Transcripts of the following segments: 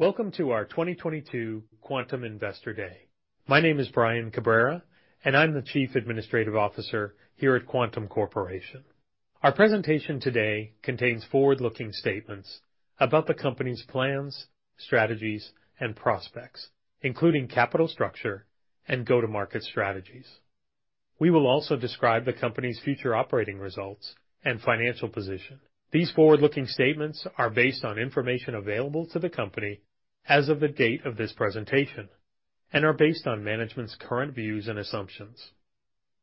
Welcome to our 2022 Quantum Investor Day. My name is Brian Cabrera, and I'm the Chief Administrative Officer here at Quantum Corporation. Our presentation today contains forward-looking statements about the company's plans, strategies, and prospects, including capital structure and go-to-market strategies. We will also describe the company's future operating results and financial position. These forward-looking statements are based on information available to the company as of the date of this presentation and are based on management's current views and assumptions.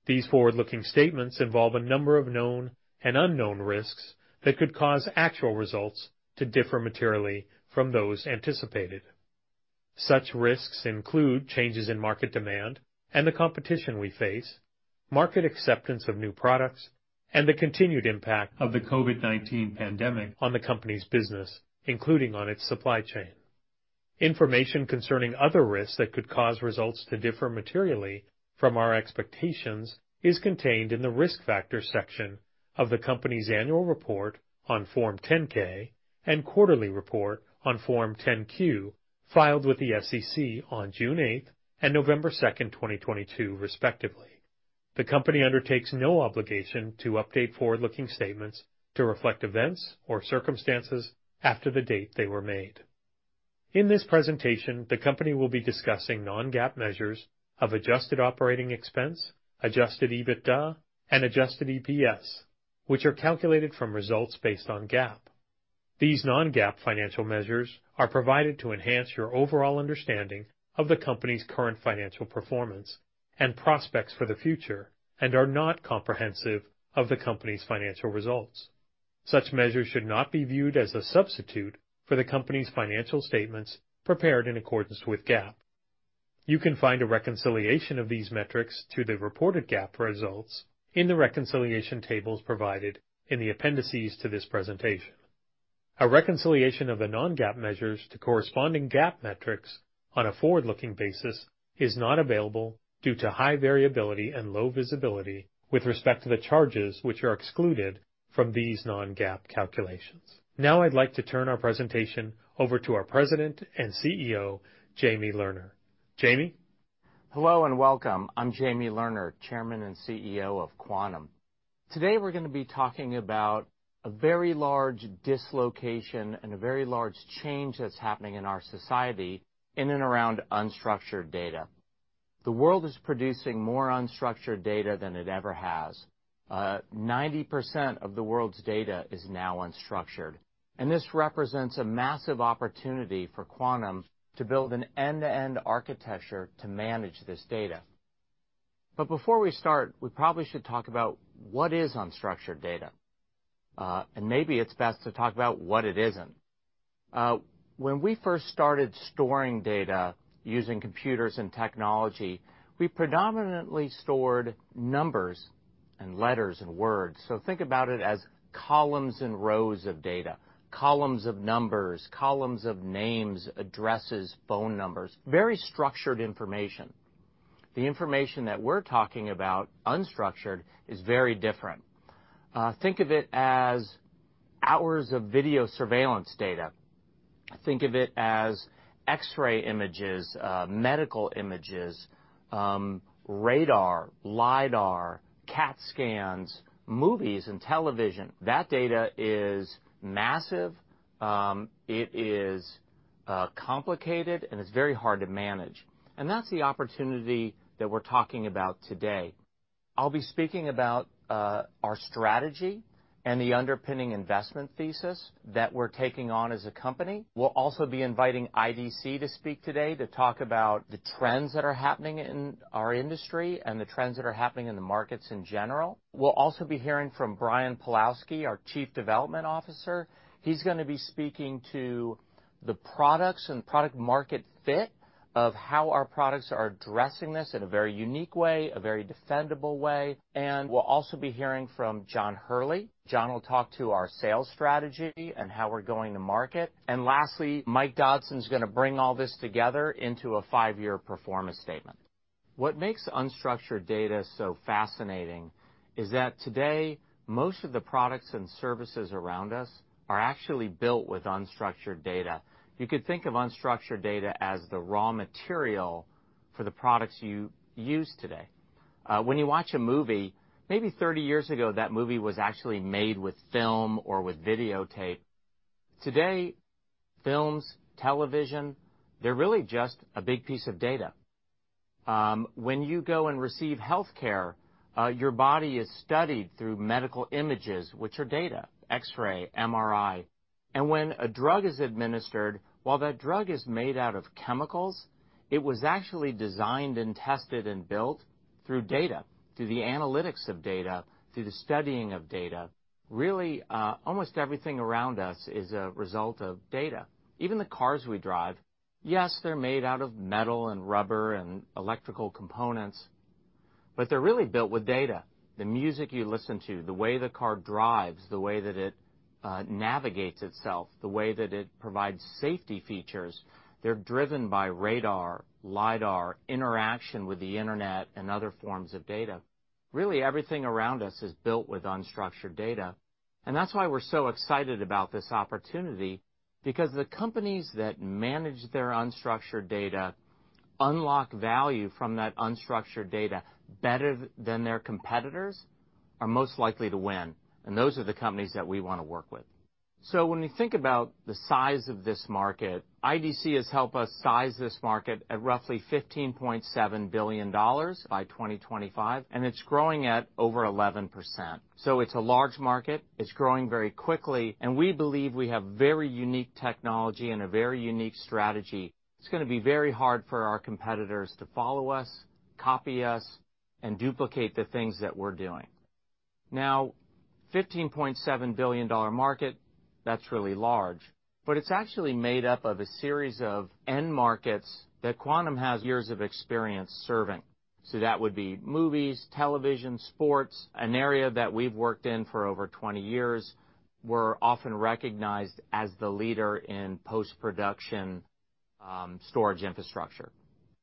These forward-looking statements involve a number of known and unknown risks that could cause actual results to differ materially from those anticipated. Such risks include changes in market demand and the competition we face, market acceptance of new products, and the continued impact of the COVID-19 pandemic on the company's business, including on its supply chain. Information concerning other risks that could cause results to differ materially from our expectations is contained in the Risk Factors section of the company's annual report on Form 10-K and quarterly report on Form 10-Q, filed with the SEC on June 8th and November 2nd, 2022, respectively. The company undertakes no obligation to update forward-looking statements to reflect events or circumstances after the date they were made. In this presentation, the company will be discussing non-GAAP measures of adjusted operating expense, adjusted EBITDA, and adjusted EPS, which are calculated from results based on GAAP. These non-GAAP financial measures are provided to enhance your overall understanding of the company's current financial performance and prospects for the future and are not comprehensive of the company's financial results. Such measures should not be viewed as a substitute for the company's financial statements prepared in accordance with GAAP. You can find a reconciliation of these metrics to the reported GAAP results in the reconciliation tables provided in the appendices to this presentation. A reconciliation of the non-GAAP measures to corresponding GAAP metrics on a forward-looking basis is not available due to high variability and low visibility with respect to the charges which are excluded from these non-GAAP calculations. Now I'd like to turn our presentation over to our President and CEO, Jamie Lerner. Jamie? Hello and welcome. I'm Jamie Lerner, Chairman and CEO of Quantum. Today, we're gonna be talking about a very large dislocation and a very large change that's happening in our society in and around unstructured data. The world is producing more unstructured data than it ever has. 90% of the world's data is now unstructured, and this represents a massive opportunity for Quantum to build an end-to-end architecture to manage this data. Before we start, we probably should talk about what is unstructured data, and maybe it's best to talk about what it isn't. When we first started storing data using computers and technology, we predominantly stored numbers and letters and words. Think about it as columns and rows of data, columns of numbers, columns of names, addresses, phone numbers, very structured information. The information that we're talking about, unstructured, is very different. Think of it as hours of video surveillance data. Think of it as X-ray images, medical images, radar, lidar, CAT scans, movies and television. That data is massive, it is complicated, and it's very hard to manage, and that's the opportunity that we're talking about today. I'll be speaking about our strategy and the underpinning investment thesis that we're taking on as a company. We'll also be inviting IDC to speak today to talk about the trends that are happening in our industry and the trends that are happening in the markets in general. We'll also be hearing from Brian Pawlowski, our Chief Development Officer. He's gonna be speaking to the products and product-market fit of how our products are addressing this in a very unique way, a very defendable way. We'll also be hearing from John Hurley. John will talk to our sales strategy and how we're going to market. Lastly, Mike Dodson's gonna bring all this together into a five-year performance statement. What makes unstructured data so fascinating is that today, most of the products and services around us are actually built with unstructured data. You could think of unstructured data as the raw material for the products you use today. When you watch a movie, maybe 30 years ago, that movie was actually made with film or with videotape. Today, films, television, they're really just a big piece of data. When you go and receive healthcare, your body is studied through medical images, which are data, X-ray, MRI. When a drug is administered, while that drug is made out of chemicals, it was actually designed and tested and built through data, through the analytics of data, through the studying of data. Really, almost everything around us is a result of data. Even the cars we drive, yes, they're made out of metal and rubber and electrical components, but they're really built with data. The music you listen to, the way the car drives, the way that it navigates itself, the way that it provides safety features, they're driven by radar, lidar, interaction with the Internet, and other forms of data. Really, everything around us is built with unstructured data. That's why we're so excited about this opportunity because the companies that manage their unstructured data unlock value from that unstructured data better than their competitors are most likely to win, and those are the companies that we wanna work with. When we think about the size of this market, IDC has helped us size this market at roughly $15.7 billion by 2025, and it's growing at over 11%. It's a large market, it's growing very quickly, and we believe we have very unique technology and a very unique strategy. It's gonna be very hard for our competitors to follow us, copy us, and duplicate the things that we're doing. Now, 15.7 billion-dollar market, that's really large, but it's actually made up of a series of end markets that Quantum has years of experience serving. That would be movies, television, sports, an area that we've worked in for over 20 years. We're often recognized as the leader in post-production storage infrastructure.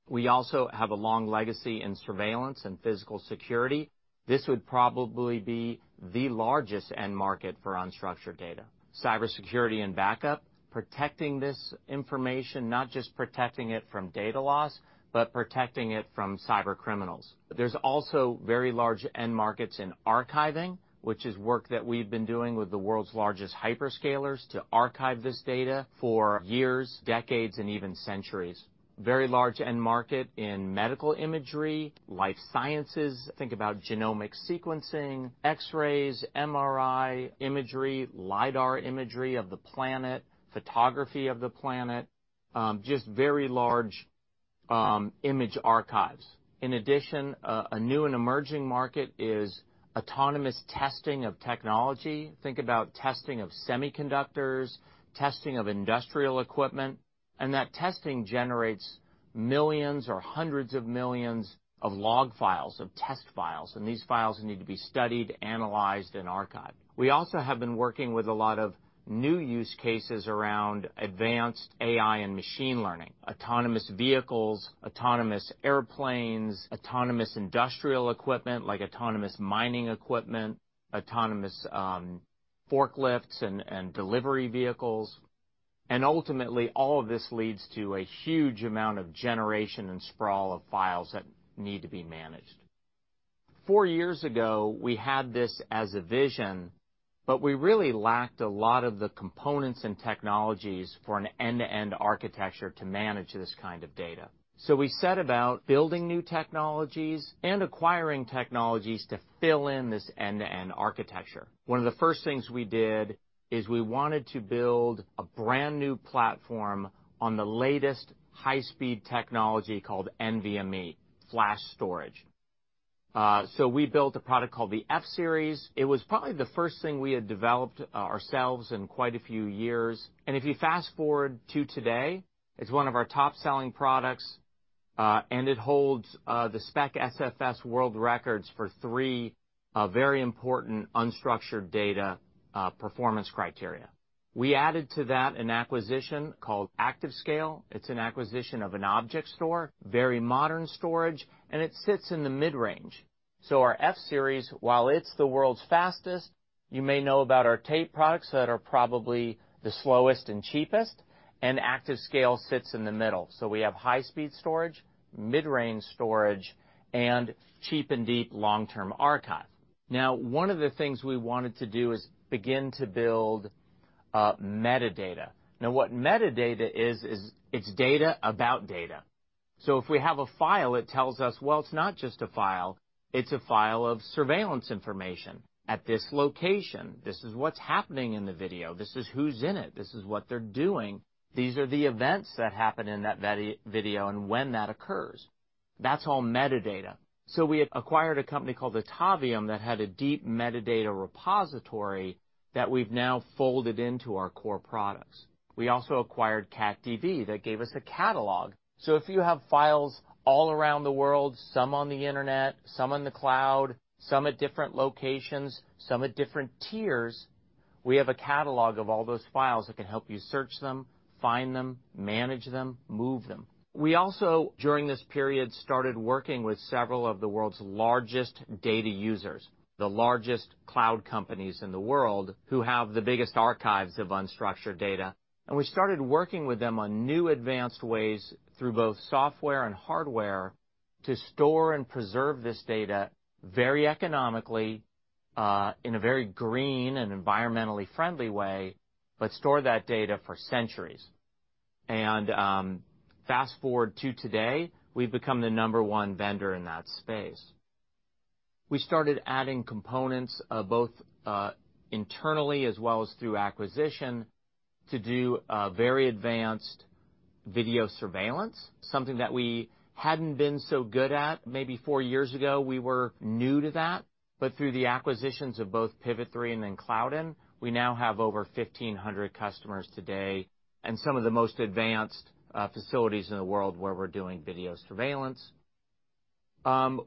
We also have a long legacy in surveillance and physical security. This would probably be the largest end market for unstructured data. Cybersecurity and backup, protecting this information, not just protecting it from data loss, but protecting it from cybercriminals. There's also very large end markets in archiving, which is work that we've been doing with the world's largest hyperscalers to archive this data for years, decades, and even centuries. Very large end market in medical imagery, life sciences. Think about genomic sequencing, X-rays, MRI imagery, lidar imagery of the planet, photography of the planet, just very large image archives. In addition, a new and emerging market is autonomous testing of technology. Think about testing of semiconductors, testing of industrial equipment. That testing generates millions or 100s of millions of log files, of test files, and these files need to be studied, analyzed, and archived. We also have been working with a lot of new use cases around advanced AI and machine learning. Autonomous vehicles, autonomous airplanes, autonomous industrial equipment like autonomous mining equipment, autonomous forklifts and delivery vehicles. Ultimately all of this leads to a huge amount of generation and sprawl of files that need to be managed. Four years ago, we had this as a vision, but we really lacked a lot of the components and technologies for an end-to-end architecture to manage this kind of data. We set about building new technologies and acquiring technologies to fill in this end-to-end architecture. One of the first things we did is we wanted to build a brand-new platform on the latest high-speed technology called NVMe Flash Storage. We built a product called the F-Series. It was probably the first thing we had developed ourselves in quite a few years. If you fast-forward to today, it's one of our top-selling products, and it holds the SPEC SFS world records for three very important unstructured data performance criteria. We added to that an acquisition called ActiveScale. It's an acquisition of an object store, very modern storage, and it sits in the mid-range. Our F-Series, while it's the world's fastest, you may know about our tape products that are probably the slowest and cheapest, and ActiveScale sits in the middle. We have high-speed storage, mid-range storage, and cheap and deep long-term archive. Now, one of the things we wanted to do is begin to build metadata. Now what metadata is it's data about data. If we have a file that tells us, well, it's not just a file. It's a file of surveillance information at this location. This is what's happening in the video. This is who's in it. This is what they're doing. These are the events that happen in that video and when that occurs, that's all metadata. We had acquired a company called Atavium that had a deep metadata repository that we've now folded into our core products. We also acquired CatDV that gave us a catalog. If you have files all around the world, some on the internet, some on the cloud, some at different locations, some at different tiers, we have a catalog of all those files that can help you search them, find them, manage them, move them. We also during this period started working with several of the world's largest data users, the largest cloud companies in the world who have the biggest archives of unstructured data. We started working with them on new advanced ways through both software and hardware to store and preserve this data very economically, in a very green and environmentally friendly way, but store that data for centuries. Fast-forward to today, we've become the number one vendor in that space. We started adding components both internally as well as through acquisition to do very advanced video surveillance, something that we hadn't been so good at. Maybe four years ago we were new to that. Through the acquisitions of both Pivot3 and then Cloudyn, we now have over 1,500 customers today and some of the most advanced facilities in the world where we're doing video surveillance.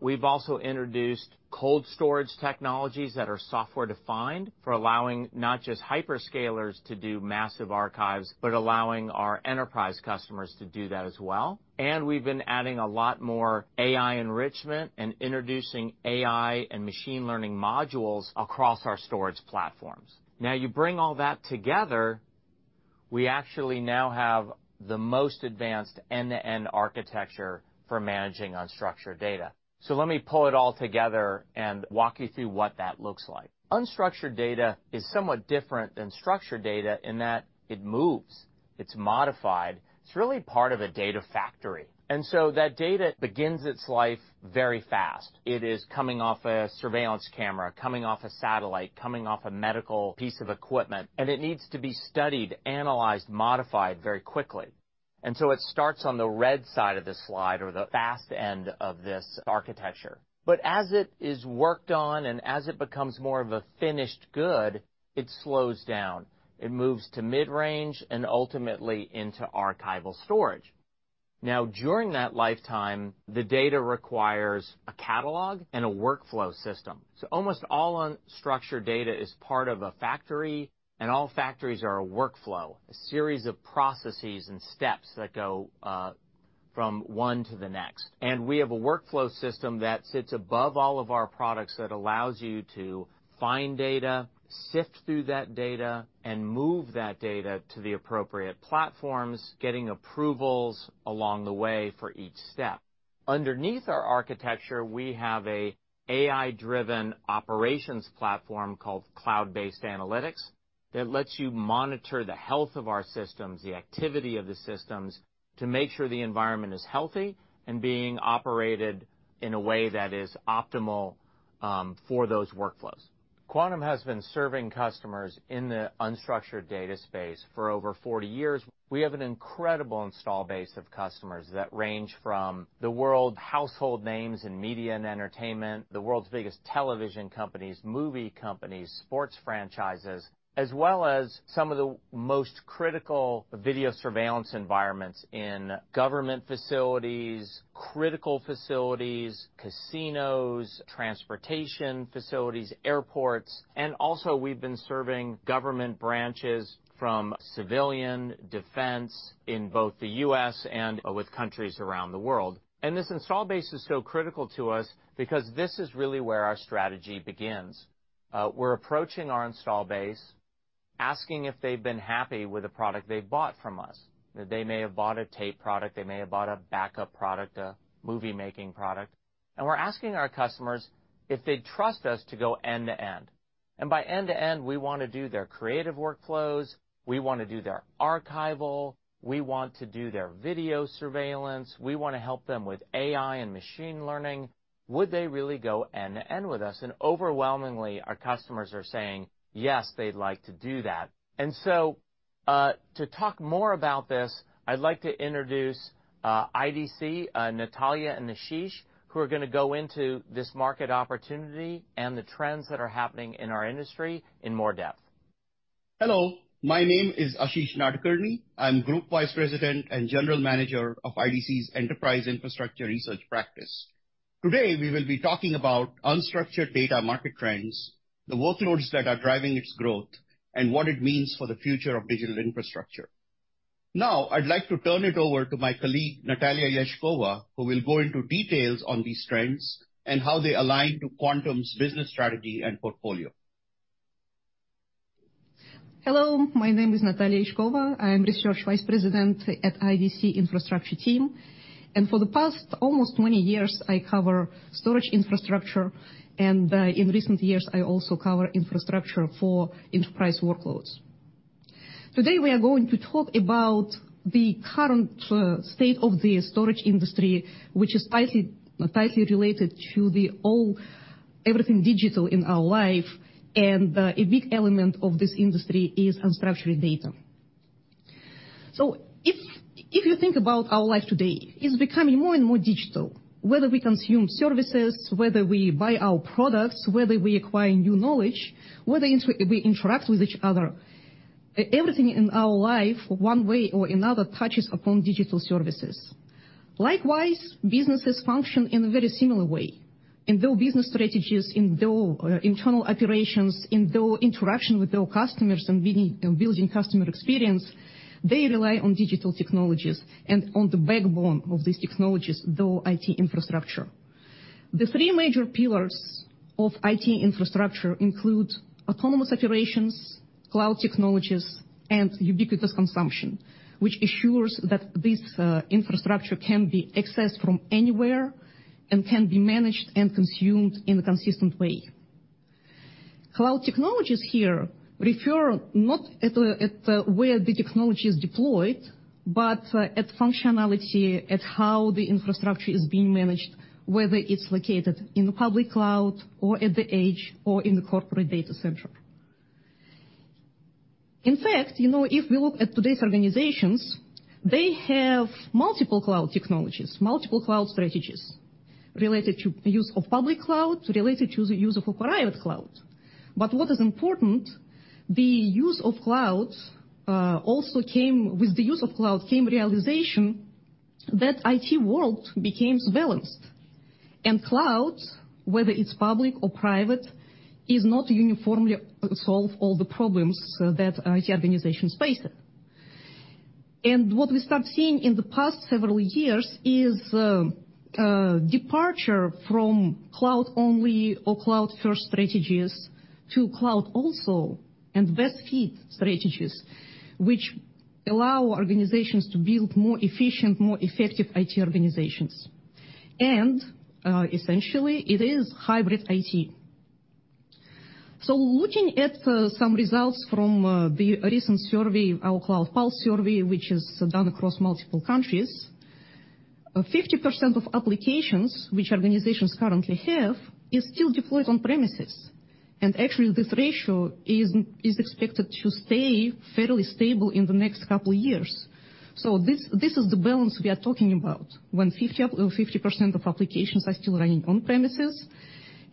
We've also introduced cold storage technologies that are software-defined for allowing not just hyperscalers to do massive archives, but allowing our enterprise customers to do that as well. We've been adding a lot more AI enrichment and introducing AI and machine learning modules across our storage platforms. Now you bring all that together, we actually now have the most advanced end-to-end architecture for managing unstructured data. Let me pull it all together and walk you through what that looks like. Unstructured data is somewhat different than structured data in that it moves, it's modified. It's really part of a Data Factory. That data begins its life very fast. It is coming off a surveillance camera, coming off a satellite, coming off a medical piece of equipment, and it needs to be studied, analyzed, modified very quickly. It starts on the red side of this slide or the fast end of this architecture. As it is worked on and as it becomes more of a finished good, it slows down. It moves to mid-range and ultimately into archival storage. Now, during that lifetime, the data requires a catalog and a workflow system. Almost all unstructured data is part of a factory, and all factories are a workflow, a series of processes and steps that go from one to the next. We have a workflow system that sits above all of our products that allows you to find data, sift through that data, and move that data to the appropriate platforms, getting approvals along the way for each step. Underneath our architecture, we have a AI-driven operations platform called Cloud-Based Analytics that lets you monitor the health of our systems, the activity of the systems, to make sure the environment is healthy and being operated in a way that is optimal for those workflows. Quantum has been serving customers in the unstructured data space for over 40 years. We have an incredible install base of customers that range from the world household names in media and entertainment, the world's biggest television companies, movie companies, sports franchises, as well as some of the most critical video surveillance environments in government facilities, critical facilities, casinos, transportation facilities, airports. Also we've been serving government branches from civilian, defense in both the U.S. and with countries around the world. This install base is so critical to us because this is really where our strategy begins. We're approaching our install base, asking if they've been happy with the product they bought from us. They may have bought a tape product, they may have bought a backup product, a movie-making product. We're asking our customers if they'd trust us to go end-to-end. By end-to-end, we wanna do their creative workflows, we wanna do their archival, we want to do their video surveillance, we wanna help them with AI and machine learning. Would they really go end-to-end with us? Overwhelmingly, our customers are saying, yes, they'd like to do that. To talk more about this, I'd like to introduce IDC, Natalya and Ashish, who are gonna go into this market opportunity and the trends that are happening in our industry in more depth. Hello, my name is Ashish Nadkarni. I'm Group Vice President and General Manager of IDC's Enterprise Infrastructure Research practice. Today, we will be talking about unstructured data market trends, the workloads that are driving its growth, and what it means for the future of digital infrastructure. Now, I'd like to turn it over to my colleague, Natalya Yezhkova, who will go into details on these trends and how they align to Quantum's business strategy and portfolio. Hello, my name is Natalya Yezhkova. I am Research Vice President at IDC Infrastructure team. For the past almost 20 years, I cover storage infrastructure, and in recent years, I also cover infrastructure for enterprise workloads. Today, we are going to talk about the current state of the storage industry, which is tightly related to the whole everything digital in our life, and a big element of this industry is unstructured data. If you think about our life today, it's becoming more and more digital. Whether we consume services, whether we buy our products, whether we acquire new knowledge, whether we interact with each other, everything in our life, one way or another, touches upon digital services. Likewise, businesses function in a very similar way. In their business strategies, in their internal operations, in their interaction with their customers and building customer experience, they rely on digital technologies, and on the backbone of these technologies, their IT infrastructure. The three major pillars of IT infrastructure include autonomous operations, cloud technologies, and ubiquitous consumption, which assures that this infrastructure can be accessed from anywhere and can be managed and consumed in a consistent way. Cloud technologies here refer not at where the technology is deployed, but at functionality, at how the infrastructure is being managed, whether it's located in the public cloud or at the edge or in the corporate data center. In fact, you know, if we look at today's organizations, they have multiple cloud technologies, multiple cloud strategies related to use of public cloud, related to the use of a private cloud. What is important, with the use of cloud came realization that IT world became balanced. Cloud, whether it's public or private, is not uniformly solve all the problems that IT organizations faces. What we start seeing in the past several years is departure from cloud-only or cloud-first strategies to cloud also and best-fit strategies, which allow organizations to build more efficient, more effective IT organizations. Essentially it is hybrid IT Looking at some results from the recent survey, our Cloud Pulse survey, which is done across multiple countries. 50% of applications which organizations currently have is still deployed on premises, and actually this ratio is expected to stay fairly stable in the next couple years. This is the balance we are talking about when 50% of applications are still running on premises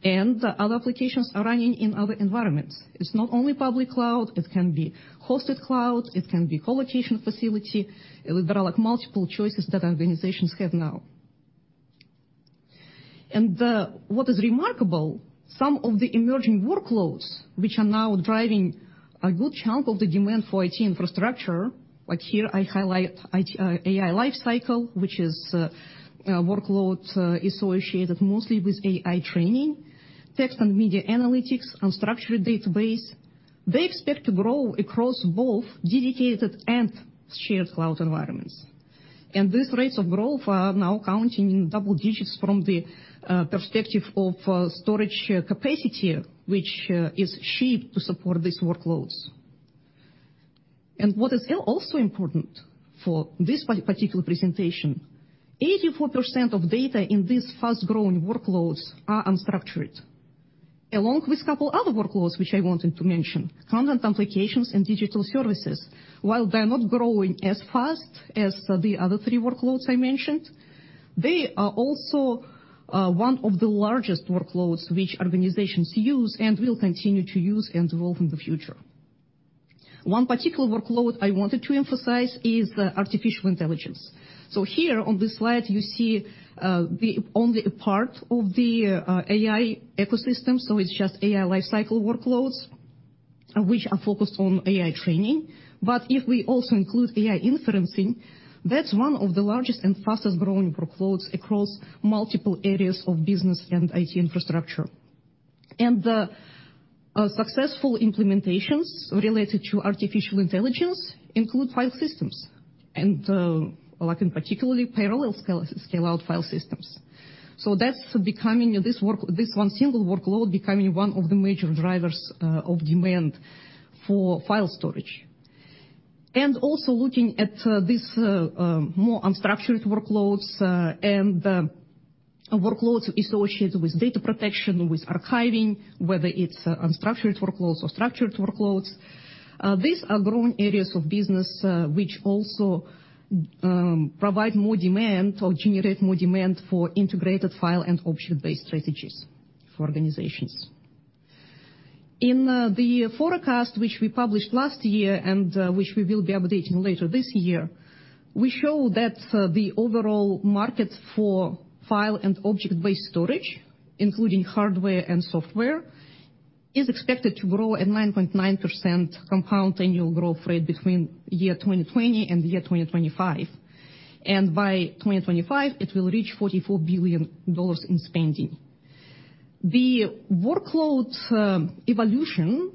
and other applications are running in other environments. It's not only public cloud, it can be hosted cloud, it can be colocation facility. There are like multiple choices that organizations have now. What is remarkable, some of the emerging workloads which are now driving a good chunk of the demand for IT infrastructure. Like here I highlight IT, AI lifecycle, which is workload associated mostly with AI training, text and media analytics, unstructured database. They expect to grow across both dedicated and shared cloud environments. These rates of growth are now counting in double digits from the perspective of storage capacity, which is shaped to support these workloads. What is also important for this particular presentation, 84% of data in these fast-growing workloads are unstructured, along with couple other workloads which I wanted to mention, content applications and digital services. While they're not growing as fast as the other three workloads I mentioned, they are also one of the largest workloads which organizations use and will continue to use and evolve in the future. One particular workload I wanted to emphasize is artificial intelligence. Here on this slide you see the only part of the AI ecosystem, so it's just AI lifecycle workloads which are focused on AI training. If we also include AI inferencing, that's one of the largest and fastest-growing workloads across multiple areas of business and IT infrastructure. Successful implementations related to artificial intelligence include file systems and, like in particularly parallel scale-out file systems. That's becoming this one single workload becoming one of the major drivers of demand for file storage. Also looking at this more unstructured workloads and workloads associated with data protection, with archiving, whether it's unstructured workloads or structured workloads. These are growing areas of business which also provide more demand or generate more demand for integrated file and object-based strategies for organizations. In the forecast which we published last year and which we will be updating later this year, we show that the overall market for file and object-based storage, including hardware and software, is expected to grow at 9.9% compound annual growth rate between year 2020 and year 2025. By 2025, it will reach $44 billion in spending. The workload evolution,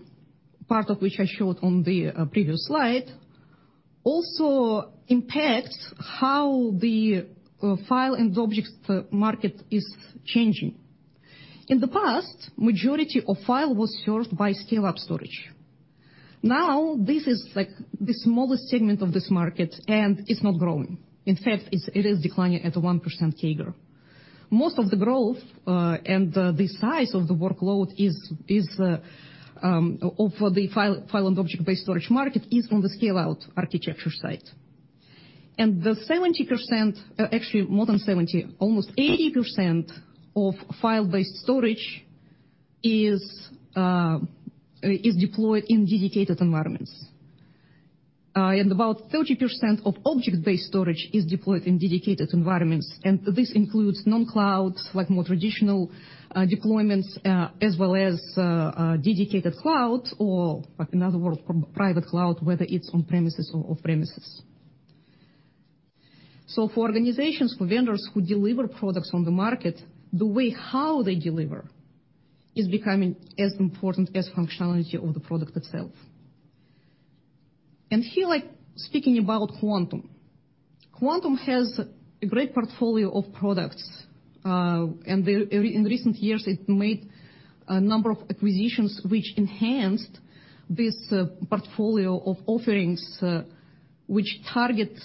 part of which I showed on the previous slide, also impacts how the file and objects market is changing. In the past, majority of file was served by scale-up storage. Now this is like the smallest segment of this market, and it's not growing. In fact, it is declining at a 1% CAGR. Most of the growth and the size of the workload of the file and object-based storage market is on the scale-out architecture side. The 70%, actually more than 70, almost 80% of file-based storage is deployed in dedicated environments. About 30% of object-based storage is deployed in dedicated environments, and this includes non-clouds, like more traditional deployments, as well as dedicated clouds, or like another word for private cloud, whether it's on premises or off premises. For organizations, for vendors who deliver products on the market, the way how they deliver is becoming as important as functionality of the product itself. Here, like speaking about Quantum has a great portfolio of products. In recent years, it made a number of acquisitions which enhanced this portfolio of offerings which target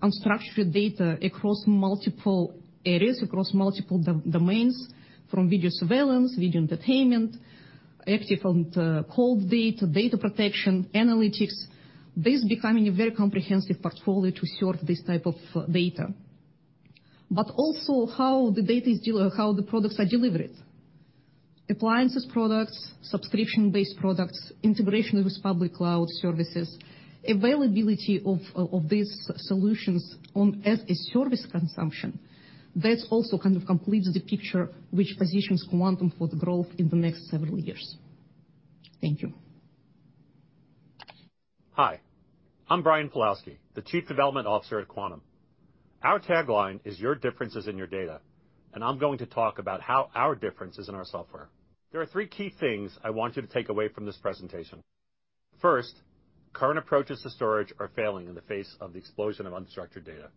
unstructured data across multiple areas, across multiple domains, from video surveillance, video entertainment, active and cold data protection, analytics. This is becoming a very comprehensive portfolio to serve this type of data. Also how the products are delivered. Appliances products, subscription-based products, integration with public cloud services, availability of these solutions on as-a-service consumption, that's also kind of completes the picture which positions Quantum for the growth in the next several years. Thank you. Hi, I'm Brian Pawlowski, the Chief Development Officer at Quantum. Our tagline is, "Your difference is in your data," and I'm going to talk about how our difference is in our software. There are three key things I want you to take away from this presentation. First, current approaches to storage are failing in the face of the explosion of unstructured data.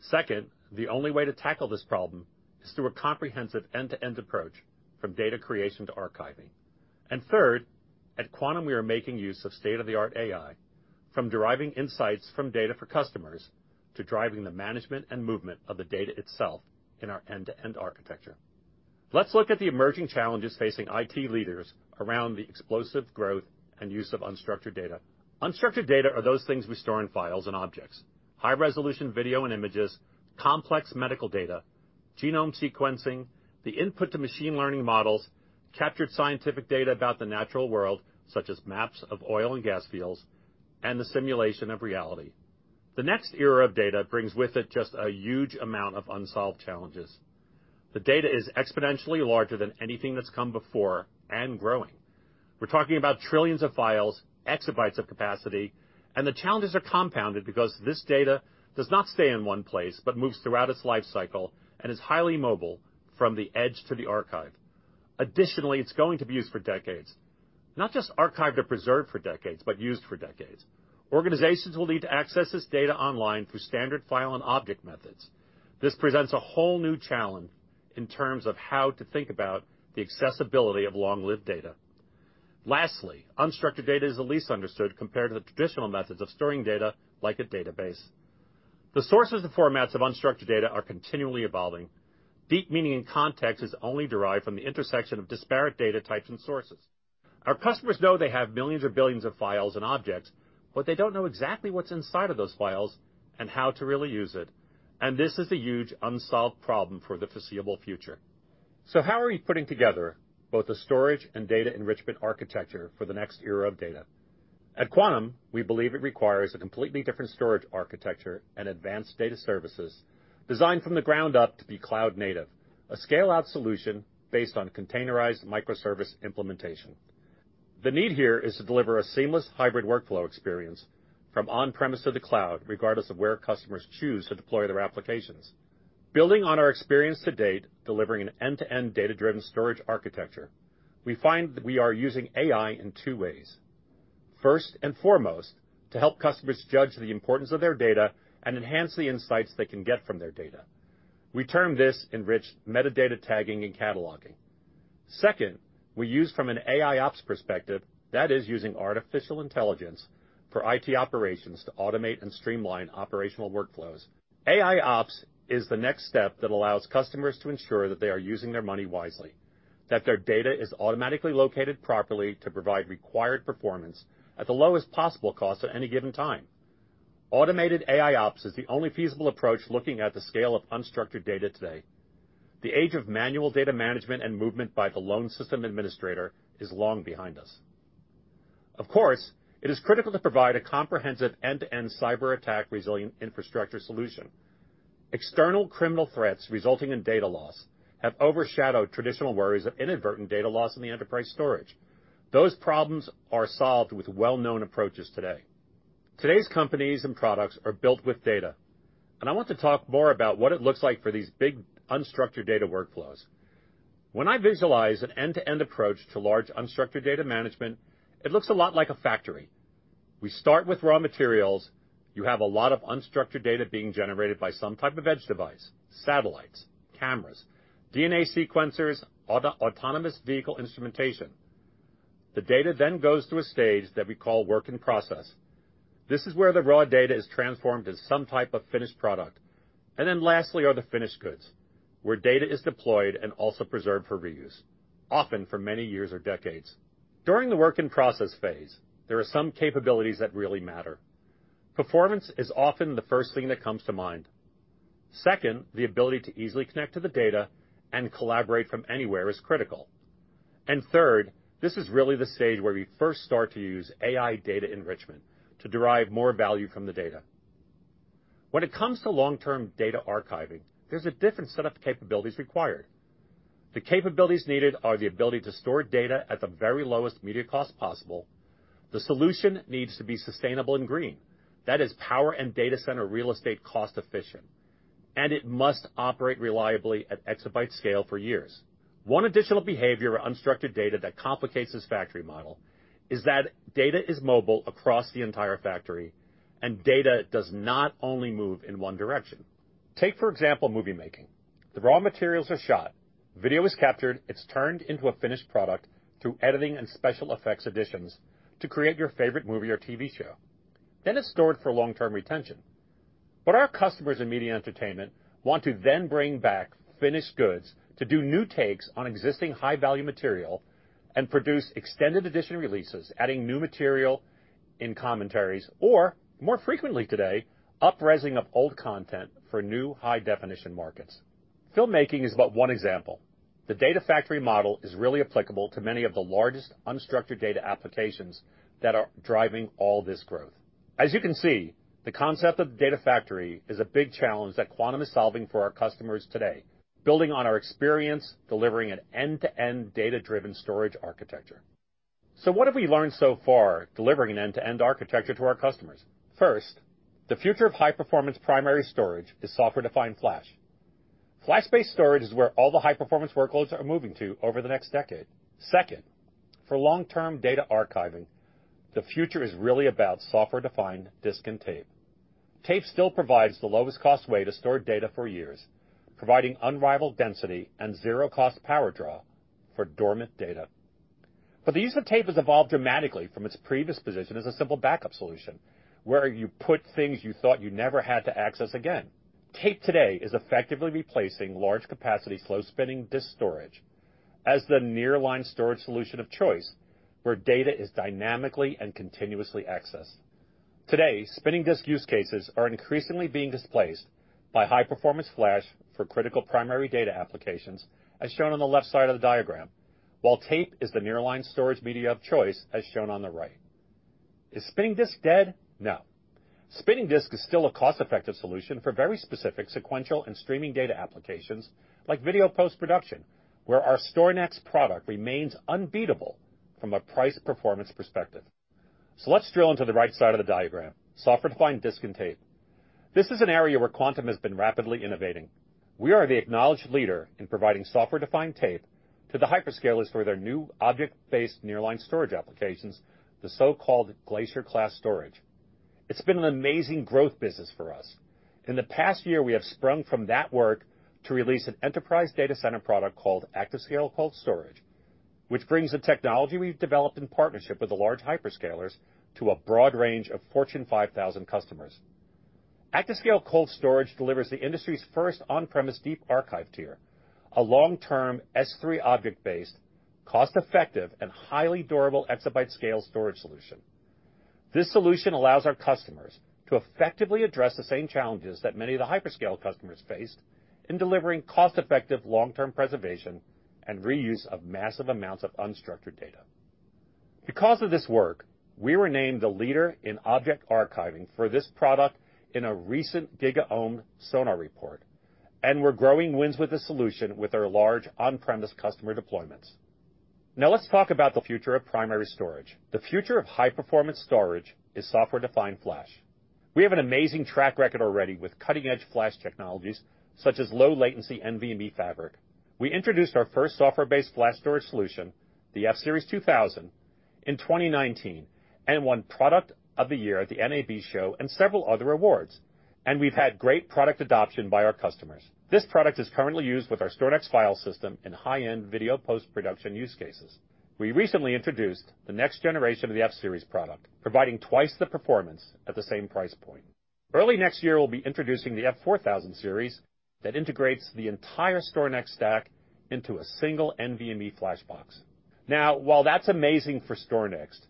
Second, the only way to tackle this problem is through a comprehensive end-to-end approach from data creation to archiving. Third, at Quantum, we are making use of state-of-the-art AI, from deriving insights from data for customers to driving the management and movement of the data itself in our end-to-end architecture. Let's look at the emerging challenges facing IT leaders around the explosive growth and use of unstructured data. Unstructured data are those things we store in files and objects. High-resolution video and images, complex medical data, genome sequencing, the input to machine learning models, captured scientific data about the natural world such as maps of oil and gas fields, and the simulation of reality. The next era of data brings with it just a huge amount of unsolved challenges. The data is exponentially larger than anything that's come before, and growing. We're talking about trillions of files, exabytes of capacity, and the challenges are compounded because this data does not stay in one place, but moves throughout its lifecycle and is highly mobile from the edge to the archive. Additionally, it's going to be used for decades, not just archived or preserved for decades, but used for decades. Organizations will need to access this data online through standard file and object methods. This presents a whole new challenge in terms of how to think about the accessibility of long-lived data. Lastly, unstructured data is the least understood compared to the traditional methods of storing data like a database. The sources and formats of unstructured data are continually evolving. Deep meaning and context is only derived from the intersection of disparate data types and sources. Our customers know they have millions or billions of files and objects, but they don't know exactly what's inside of those files and how to really use it, and this is a huge unsolved problem for the foreseeable future. How are we putting together both the storage and data enrichment architecture for the next era of data? At Quantum, we believe it requires a completely different storage architecture and advanced data services designed from the ground up to be cloud native, a scale-out solution based on containerized microservice implementation. The need here is to deliver a seamless hybrid workflow experience from on-premise to the cloud, regardless of where customers choose to deploy their applications. Building on our experience to date, delivering an end-to-end data-driven storage architecture, we find that we are using AI in two ways. First and foremost, to help customers judge the importance of their data and enhance the insights they can get from their data. We term this enriched metadata tagging and cataloging. Second, we use from an AIOps perspective, that is using artificial intelligence for IT operations to automate and streamline operational workflows. AIOps is the next step that allows customers to ensure that they are using their money wisely, that their data is automatically located properly to provide required performance at the lowest possible cost at any given time. Automated AIOps is the only feasible approach looking at the scale of unstructured data today. The age of manual data management and movement by the lone system administrator is long behind us. Of course, it is critical to provide a comprehensive end-to-end cyber attack resilient infrastructure solution. External criminal threats resulting in data loss have overshadowed traditional worries of inadvertent data loss in the enterprise storage. Those problems are solved with well-known approaches today. Today's companies and products are built with data, and I want to talk more about what it looks like for these big unstructured data workflows. When I visualize an end-to-end approach to large unstructured data management, it looks a lot like a factory. We start with raw materials. You have a lot of unstructured data being generated by some type of edge device, satellites, cameras, DNA sequencers, autonomous vehicle instrumentation. The data then goes through a stage that we call work in process. This is where the raw data is transformed to some type of finished product. Lastly are the finished goods, where data is deployed and also preserved for reuse, often for many years or decades. During the work in process phase, there are some capabilities that really matter. Performance is often the first thing that comes to mind. Second, the ability to easily connect to the data and collaborate from anywhere is critical. Third, this is really the stage where we first start to use AI data enrichment to derive more value from the data. When it comes to long-term data archiving, there's a different set of capabilities required. The capabilities needed are the ability to store data at the very lowest media cost possible. The solution needs to be sustainable and green. That is power and data center real estate cost efficient. It must operate reliably at exabyte scale for years. One additional behavior of unstructured data that complicates this factory model is that data is mobile across the entire factory, and data does not only move in one direction. Take, for example, movie making. The raw materials are shot. Video is captured. It's turned into a finished product through editing and special effects additions to create your favorite movie or T.V. show. It's stored for long-term retention. Our customers in media entertainment want to then bring back finished goods to do new takes on existing high-value material and produce extended edition releases, adding new material in commentaries, or more frequently today, up-resing of old content for new high-definition markets. Filmmaking is but one example. The Data Factory model is really applicable to many of the largest unstructured data applications that are driving all this growth. As you can see, the concept of Data Factory is a big challenge that Quantum is solving for our customers today, building on our experience, delivering an end-to-end data-driven storage architecture. What have we learned so far delivering an end-to-end architecture to our customers? First, the future of high-performance primary storage is software-defined flash. Flash-based storage is where all the high-performance workloads are moving to over the next decade. Second, for long-term data archiving, the future is really about software-defined disk and tape. Tape still provides the lowest cost way to store data for years, providing unrivaled density and zero cost power draw for dormant data. The use of tape has evolved dramatically from its previous position as a simple backup solution where you put things you thought you never had to access again. Tape today is effectively replacing large-capacity, slow-spinning disk storage as the nearline storage solution of choice where data is dynamically and continuously accessed. Today, spinning disk use cases are increasingly being displaced by high-performance flash for critical primary data applications, as shown on the left side of the diagram, while tape is the nearline storage media of choice, as shown on the right. Is spinning disk dead? No. Spinning disk is still a cost-effective solution for very specific sequential and streaming data applications like video post-production, where our StorNext product remains unbeatable from a price-performance perspective. Let's drill into the right side of the diagram, software-defined disk and tape. This is an area where Quantum has been rapidly innovating. We are the acknowledged leader in providing software-defined tape to the hyperscalers for their new object-based nearline storage applications, the so-called Glacier class storage. It's been an amazing growth business for us. In the past year, we have sprung from that work to release an enterprise data center product called ActiveScale Cold Storage, which brings the technology we've developed in partnership with the large hyperscalers to a broad range of Fortune 5,000 customers. ActiveScale Cold Storage delivers the industry's first on-premise deep archive tier, a long-term S3 object-based, cost-effective, and highly durable exabyte-scale storage solution. This solution allows our customers to effectively address the same challenges that many of the hyperscale customers face in delivering cost-effective long-term preservation and reuse of massive amounts of unstructured data. Because of this work, we were named the leader in object archiving for this product in a recent GigaOm Sonar report, and we're growing wins with the solution with our large on-premise customer deployments. Now let's talk about the future of primary storage. The future of high-performance storage is software-defined Flash. We have an amazing track record already with cutting-edge Flash technologies such as low latency NVMe fabric. We introduced our first software-based Flash storage solution, the F-Series 2000, in 2019, and won Product of the Year at the NAB Show and several other awards. We've had great product adoption by our customers. This product is currently used with our StorNext file system in high-end video post-production use cases. We recently introduced the next generation of the F-Series product, providing twice the performance at the same price point. Early next year, we'll be introducing the H4000 series that integrates the entire StorNext stack into a single NVMe flash box. Now, while that's amazing for StorNext,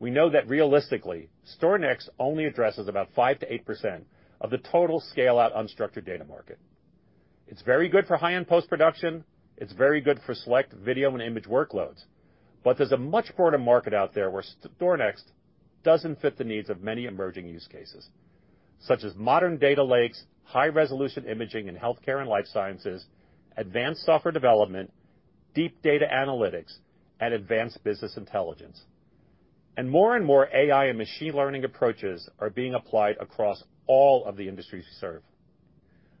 we know that realistically, StorNext only addresses about 5%-8% of the total scale-out unstructured data market. It's very good for high-end post-production. It's very good for select video and image workloads, but there's a much broader market out there where StorNext doesn't fit the needs of many emerging use cases, such as modern data lakes, high-resolution imaging in healthcare and life sciences, advanced software development, deep data analytics, and advanced business intelligence. More and more AI and machine learning approaches are being applied across all of the industries we serve.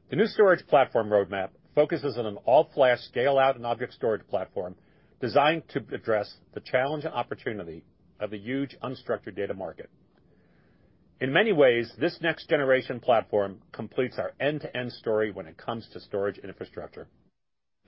The new storage platform roadmap focuses on an all-flash scale-out and object storage platform designed to address the challenge and opportunity of the huge unstructured data market. In many ways, this next-generation platform completes our end-to-end story when it comes to storage infrastructure.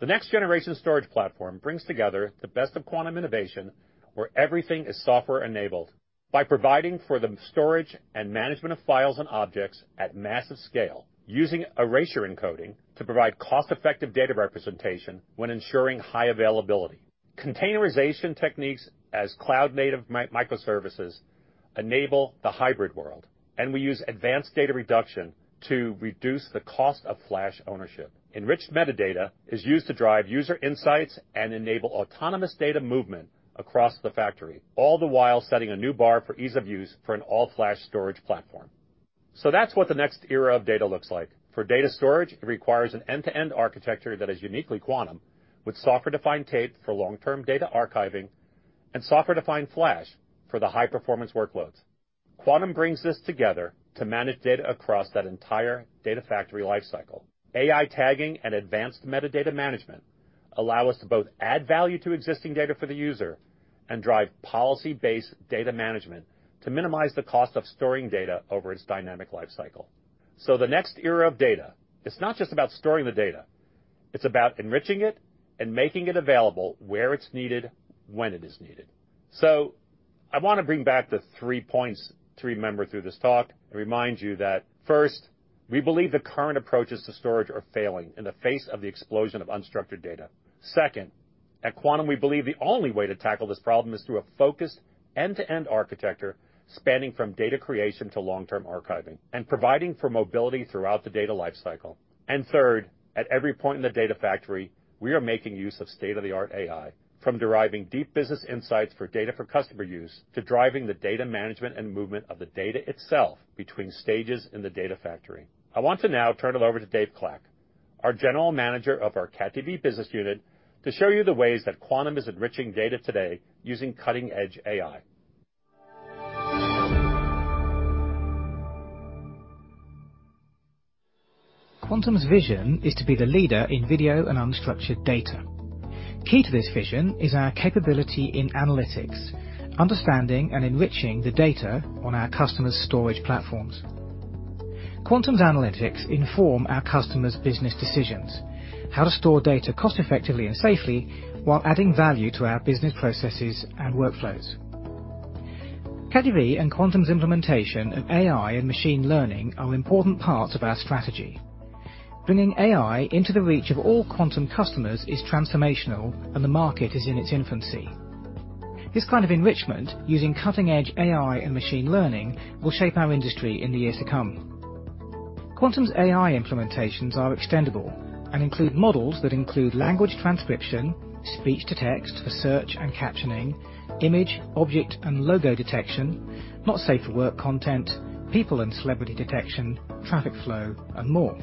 The next-generation storage platform brings together the best of Quantum innovation, where everything is software-enabled by providing for the storage and management of files and objects at massive scale using erasure encoding to provide cost-effective data representation when ensuring high availability. Containerization techniques as cloud-native microservices enable the hybrid world, and we use advanced data reduction to reduce the cost of flash ownership. Enriched metadata is used to drive user insights and enable autonomous data movement across the factory, all the while setting a new bar for ease of use for an all-flash storage platform. That's what the next era of data looks like. For data storage, it requires an end-to-end architecture that is uniquely Quantum, with software-defined tape for long-term data archiving and software-defined flash for the high-performance workloads. Quantum brings this together to manage data across that entire Data Factory lifecycle. AI tagging and advanced metadata management allow us to both add value to existing data for the user and drive policy-based data management to minimize the cost of storing data over its dynamic lifecycle. The next era of data, it's not just about storing the data, it's about enriching it and making it available where it's needed, when it is needed. I wanna bring back the three points to remember through this talk and remind you that, first, we believe the current approaches to storage are failing in the face of the explosion of unstructured data. Second, at Quantum, we believe the only way to tackle this problem is through a focused end-to-end architecture spanning from data creation to long-term archiving and providing for mobility throughout the data life cycle. Third, at every point in the Data Factory, we are making use of state-of-the-art AI, from deriving deep business insights for data for customer use to driving the data management and movement of the data itself between stages in the Data Factory. I want to now turn it over to Dave Clack, our General Manager of our CatDV business unit, to show you the ways that Quantum is enriching data today using cutting-edge AI Quantum's vision is to be the leader in video and unstructured data. Key to this vision is our capability in analytics, understanding and enriching the data on our customers' storage platforms. Quantum's analytics inform our customers' business decisions, how to store data cost-effectively and safely while adding value to our business processes and workflows. CatDV and Quantum's implementation of AI and machine learning are important parts of our strategy. Bringing AI into the reach of all Quantum customers is transformational, and the market is in its infancy. This kind of enrichment, using cutting-edge AI and machine learning, will shape our industry in the years to come. Quantum's AI implementations are extendable and include models that include language transcription, speech-to-text for search and captioning, image, object, and logo detection, not-safe-for-work content, people and celebrity detection, traffic flow, and more.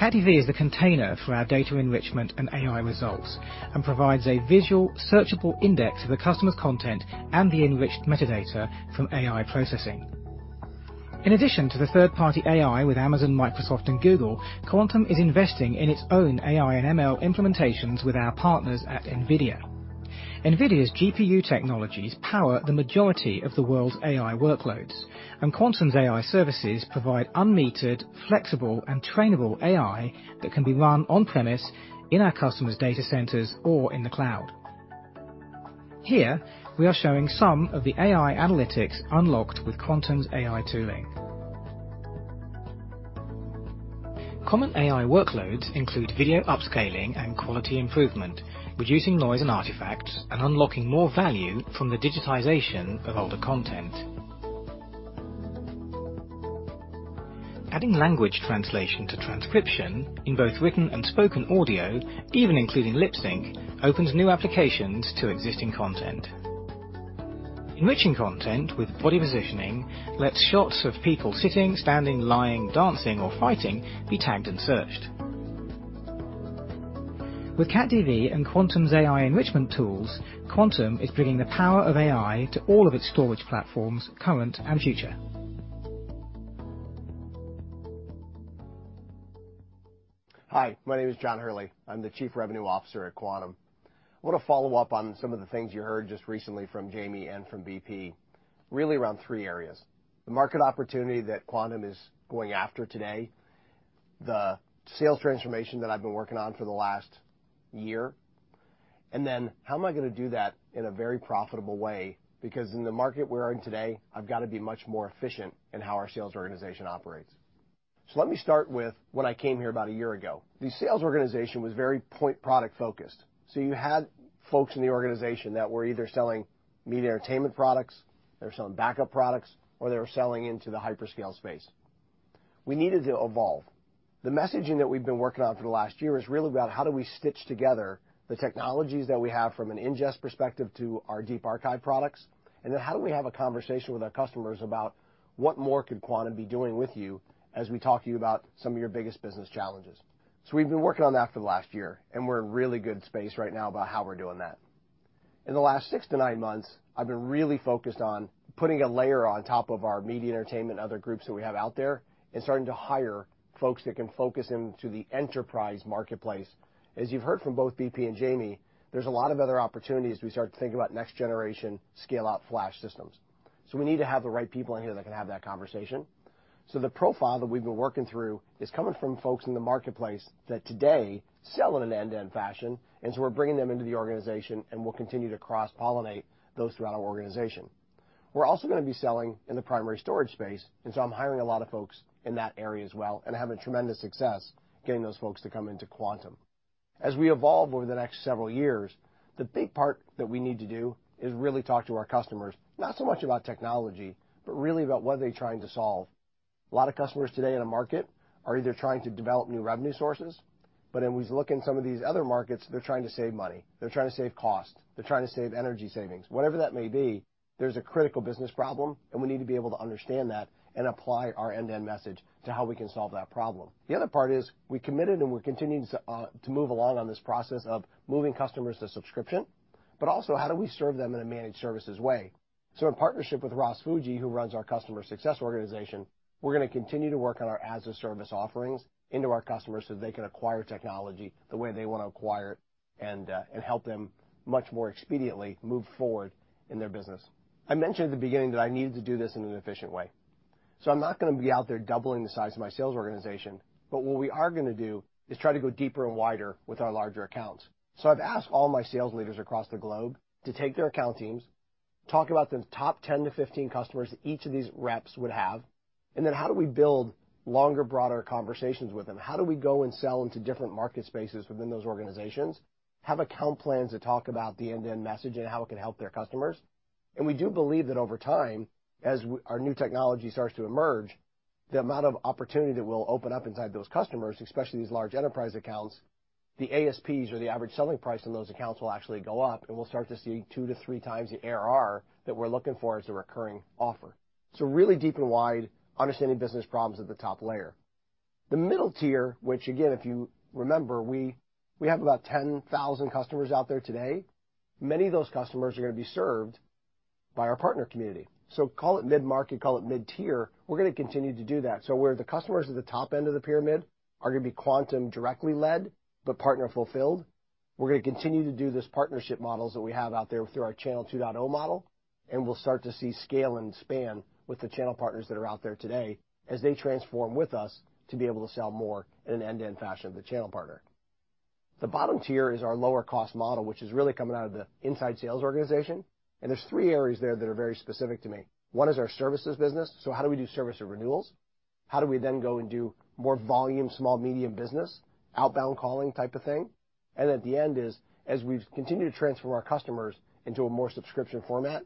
CatDV is the container for our data enrichment and AI results and provides a visual, searchable index of the customer's content and the enriched metadata from AI processing. In addition to the third-party AI with Amazon, Microsoft, and Google, Quantum is investing in its own AI and ML implementations with our partners at NVIDIA. NVIDIA's GPU technologies power the majority of the world's AI workloads, and Quantum's AI services provide unmetered, flexible, and trainable AI that can be run on-premise in our customers' data centers or in the cloud. Here we are showing some of the AI analytics unlocked with Quantum's AI tooling. Common AI workloads include video upscaling and quality improvement, reducing noise and artifacts, and unlocking more value from the digitization of older content. Adding language translation to transcription in both written and spoken audio, even including lip sync, opens new applications to existing content. Enriching content with body positioning lets shots of people sitting, standing, lying, dancing, or fighting be tagged and searched. With CatDV and Quantum's AI enrichment tools, Quantum is bringing the power of AI to all of its storage platforms, current and future. Hi, my name is John Hurley. I'm the Chief Revenue Officer at Quantum. I want to follow up on some of the things you heard just recently from Jamie and from B.P., really around 3 areas, the market opportunity that Quantum is going after today, the sales transformation that I've been working on for the last year, and then how am I going to do that in a very profitable way, because in the market we're in today, I've got to be much more efficient in how our sales organization operates. Let me start with when I came here about 1 year ago. The sales organization was very point product-focused. You had folks in the organization that were either selling media entertainment products, they were selling backup products, or they were selling into the hyperscale space. We needed to evolve. The messaging that we've been working on for the last year is really about how do we stitch together the technologies that we have from an ingest perspective to our deep archive products, and then how do we have a conversation with our customers about what more could Quantum be doing with you as we talk to you about some of your biggest business challenges. We've been working on that for the last year, and we're in a really good space right now about how we're doing that. In the last six to nine months, I've been really focused on putting a layer on top of our Media & Entertainment and other groups that we have out there and starting to hire folks that can focus into the enterprise marketplace. As you've heard from both BP and Jamie, there's a lot of other opportunities as we start to think about next-generation scale-out flash systems. We need to have the right people in here that can have that conversation. The profile that we've been working through is coming from folks in the marketplace that today sell in an end-to-end fashion, and so we're bringing them into the organization, and we'll continue to cross-pollinate those throughout our organization. We're also going to be selling in the primary storage space, and so I'm hiring a lot of folks in that area as well and having tremendous success getting those folks to come into Quantum. As we evolve over the next several years, the big part that we need to do is really talk to our customers, not so much about technology, but really about what are they trying to solve. A lot of customers today in the market are either trying to develop new revenue sources. We look in some of these other markets, they're trying to save money. They're trying to save cost. They're trying to save energy savings. Whatever that may be, there's a critical business problem, and we need to be able to understand that and apply our end-to-end message to how we can solve that problem. The other part is we committed and we're continuing to move along on this process of moving customers to subscription, but also how do we serve them in a managed services way. In partnership with Ross Fujii, who runs our customer success organization, we're gonna continue to work on our as-a-service offerings into our customers so they can acquire technology the way they want to acquire it and help them much more expediently move forward in their business. I mentioned at the beginning that I needed to do this in an efficient way. I'm not gonna be out there doubling the size of my sales organization, but what we are gonna do is try to go deeper and wider with our larger accounts. I've asked all my sales leaders across the globe to take their account teams, talk about the top 10-15 customers each of these reps would have, and then how do we build longer, broader conversations with them? How do we go and sell into different market spaces within those organizations? Have account plans that talk about the end-to-end message and how it can help their customers. We do believe that over time, as our new technology starts to emerge, the amount of opportunity that will open up inside those customers, especially these large enterprise accounts, the ASPs or the average selling price on those accounts will actually go up, and we'll start to see two to three times the ARR that we're looking for as a recurring offer. Really deep and wide understanding business problems at the top layer. The middle tier, which again, if you remember, we have about 10,000 customers out there today. Many of those customers are gonna be served by our partner community. Call it mid-market, call it mid-tier, we're gonna continue to do that. Where the customers at the top end of the pyramid are gonna be Quantum directly led but partner fulfilled, we're gonna continue to do this partnership models that we have out there through our Channel 2.0 model, and we'll start to see scale and span with the channel partners that are out there today as they transform with us to be able to sell more in an end-to-end fashion with the channel partner. The bottom tier is our lower cost model, which is really coming out of the inside sales organization, and there's three areas there that are very specific to me. One is our services business. How do we do service and renewals? How do we then go and do more volume, small, medium business, outbound calling type of thing? At the end is, as we've continued to transfer our customers into a more subscription format,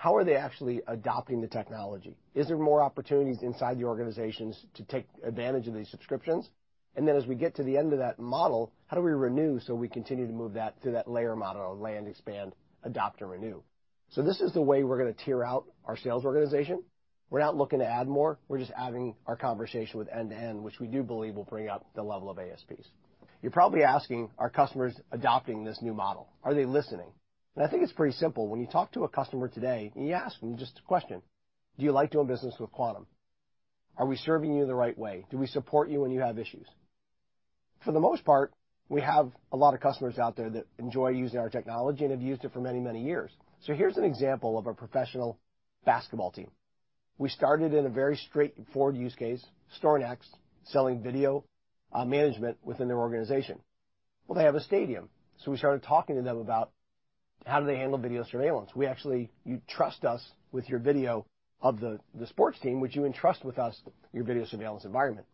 how are they actually adopting the technology? Is there more opportunities inside the organizations to take advantage of these subscriptions? As we get to the end of that model, how do we renew so we continue to move that through that layer model of land, expand, adopt and renew? This is the way we're gonna tier out our sales organization. We're not looking to add more. We're just having our conversation with end-to-end, which we do believe will bring up the level of ASPs. You're probably asking, are customers adopting this new model? Are they listening? I think it's pretty simple. When you talk to a customer today, and you ask them just a question, do you like doing business with Quantum? Are we serving you the right way? Do we support you when you have issues? For the most part, we have a lot of customers out there that enjoy using our technology and have used it for many, many years. Here's an example of a professional basketball team. We started in a very straightforward use case, StorNext, selling video management within their organization. Well, they have a stadium, so we started talking to them about how do they handle video surveillance. You trust us with your video of the sports team, would you entrust with us your video surveillance environment?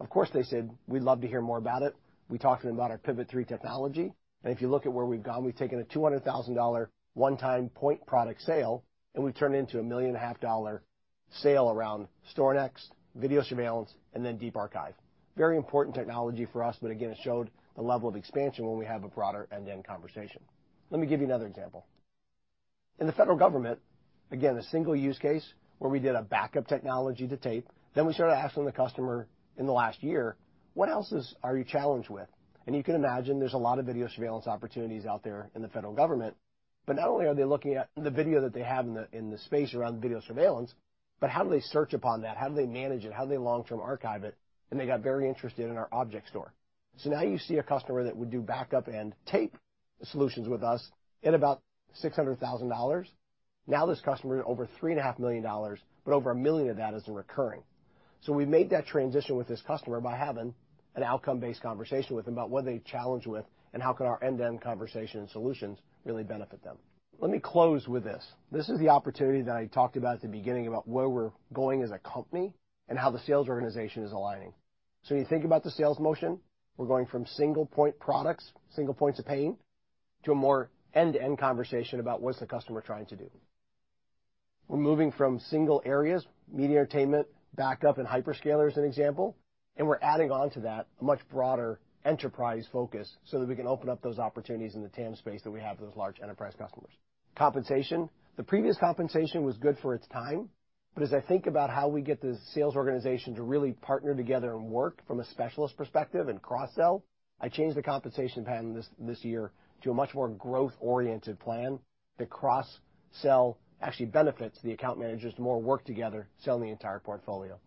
Of course, they said, we'd love to hear more about it. We talked to them about our Pivot3 technology, and if you look at where we've gone, we've taken a $200,000 one-time point product sale, and we've turned it into a million and a half dollar sale around StorNext, video surveillance, and then Deep Archive. Very important technology for us, but again, it showed the level of expansion when we have a broader end-to-end conversation. Let me give you another example. In the federal government, again, a single use case where we did a backup technology to tape, we started asking the customer in the last year, "What else are you challenged with?" You can imagine there's a lot of video surveillance opportunities out there in the federal government, but not only are they looking at the video that they have in the space around the video surveillance, but how do they search upon that? How do they manage it? How do they long-term archive it? They got very interested in our object store. Now you see a customer that would do backup and tape solutions with us at about $600,000. Now, this customer is over $3.5 million, but over $1 million of that is in recurring. So we've made that transition with this customer by having an outcome-based conversation with them about what are they challenged with and how can our end-to-end conversation and solutions really benefit them. Let me close with this. This is the opportunity that I talked about at the beginning about where we're going as a company and how the sales organization is aligning. So when you think about the sales motion, we're going from single point products, single points of pain, to a more end-to-end conversation about what's the customer trying to do. We're moving from single areas, media entertainment, backup, and hyperscaler as an example, and we're adding on to that a much broader enterprise focus so that we can open up those opportunities in the TAM space that we have with those large enterprise customers. Compensation. The previous compensation was good for its time, but as I think about how we get the sales organization to really partner together and work from a specialist perspective and cross-sell, I changed the compensation plan this year to a much more growth-oriented plan. The cross-sell actually benefits the account managers to more work together selling the entire portfolio.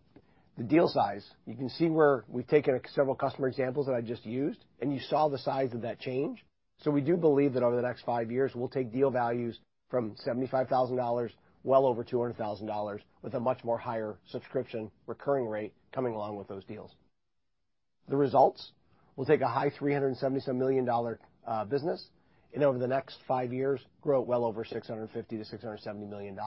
The deal size, you can see where we've taken several customer examples that I just used, and you saw the size of that change. We do believe that over the next five years, we'll take deal values from $75,000, well over $200,000, with a much more higher subscription recurring rate coming along with those deals. The results, we'll take a high 370-some million-dollar business, and over the next five years, grow it well over $650 million-$670 million.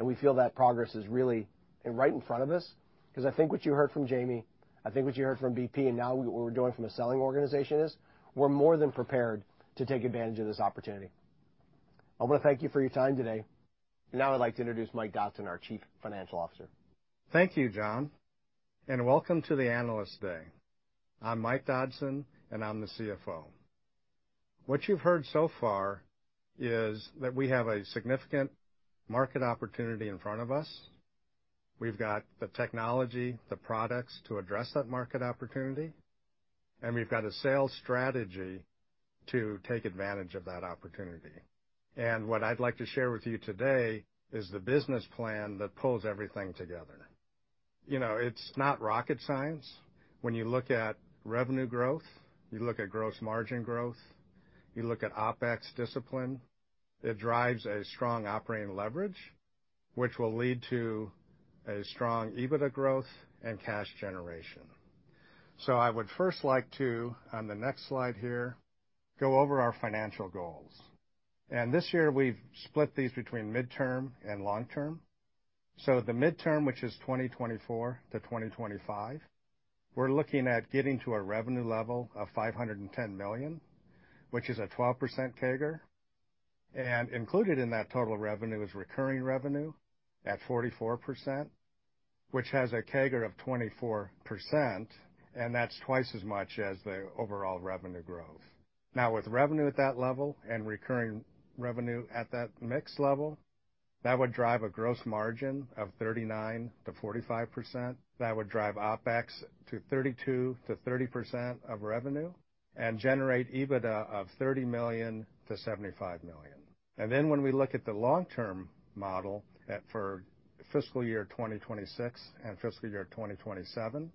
We feel that progress is really right in front of us, 'cause I think what you heard from Jamie, I think what you heard from BP, and now what we're doing from a selling organization is, we're more than prepared to take advantage of this opportunity. I wanna thank you for your time today. Now I'd like to introduce Mike Dodson, our Chief Financial Officer. Thank you, John, and welcome to the Analyst Day. I'm Mike Dodson, and I'm the CFO. What you've heard so far is that we have a significant market opportunity in front of us. We've got the technology, the products to address that market opportunity, and we've got a sales strategy to take advantage of that opportunity. What I'd like to share with you today is the business plan that pulls everything together. You know, it's not rocket science. When you look at revenue growth, you look at gross margin growth, you look at OpEx discipline, it drives a strong operating leverage, which will lead to a strong EBITDA growth and cash generation. I would first like to, on the next slide here, go over our financial goals. This year we've split these between midterm and long-term. The midterm, which is 2024-2025, we're looking at getting to a revenue level of $510 million, which is a 12% CAGR. Included in that total revenue is recurring revenue at 44%, which has a CAGR of 24%, and that's twice as much as the overall revenue growth. Now with revenue at that level and recurring revenue at that mix level, that would drive a gross margin of 39%-45%. That would drive OpEx to 32%-30% of revenue and generate EBITDA of $30 million-$75 million. When we look at the long-term model for fiscal year 2026 and fiscal year 2027,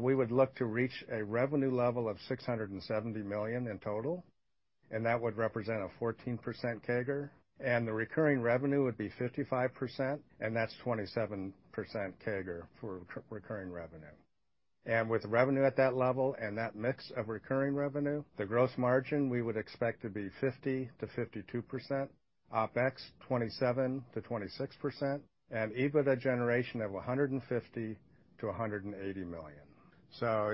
we would look to reach a revenue level of $670 million in total, and that would represent a 14% CAGR, and the recurring revenue would be 55%, and that's 27% CAGR for recurring revenue. With revenue at that level and that mix of recurring revenue, the gross margin we would expect to be 50%-52%, OpEx 27%-26%, and EBITDA generation of $150 million-$180 million.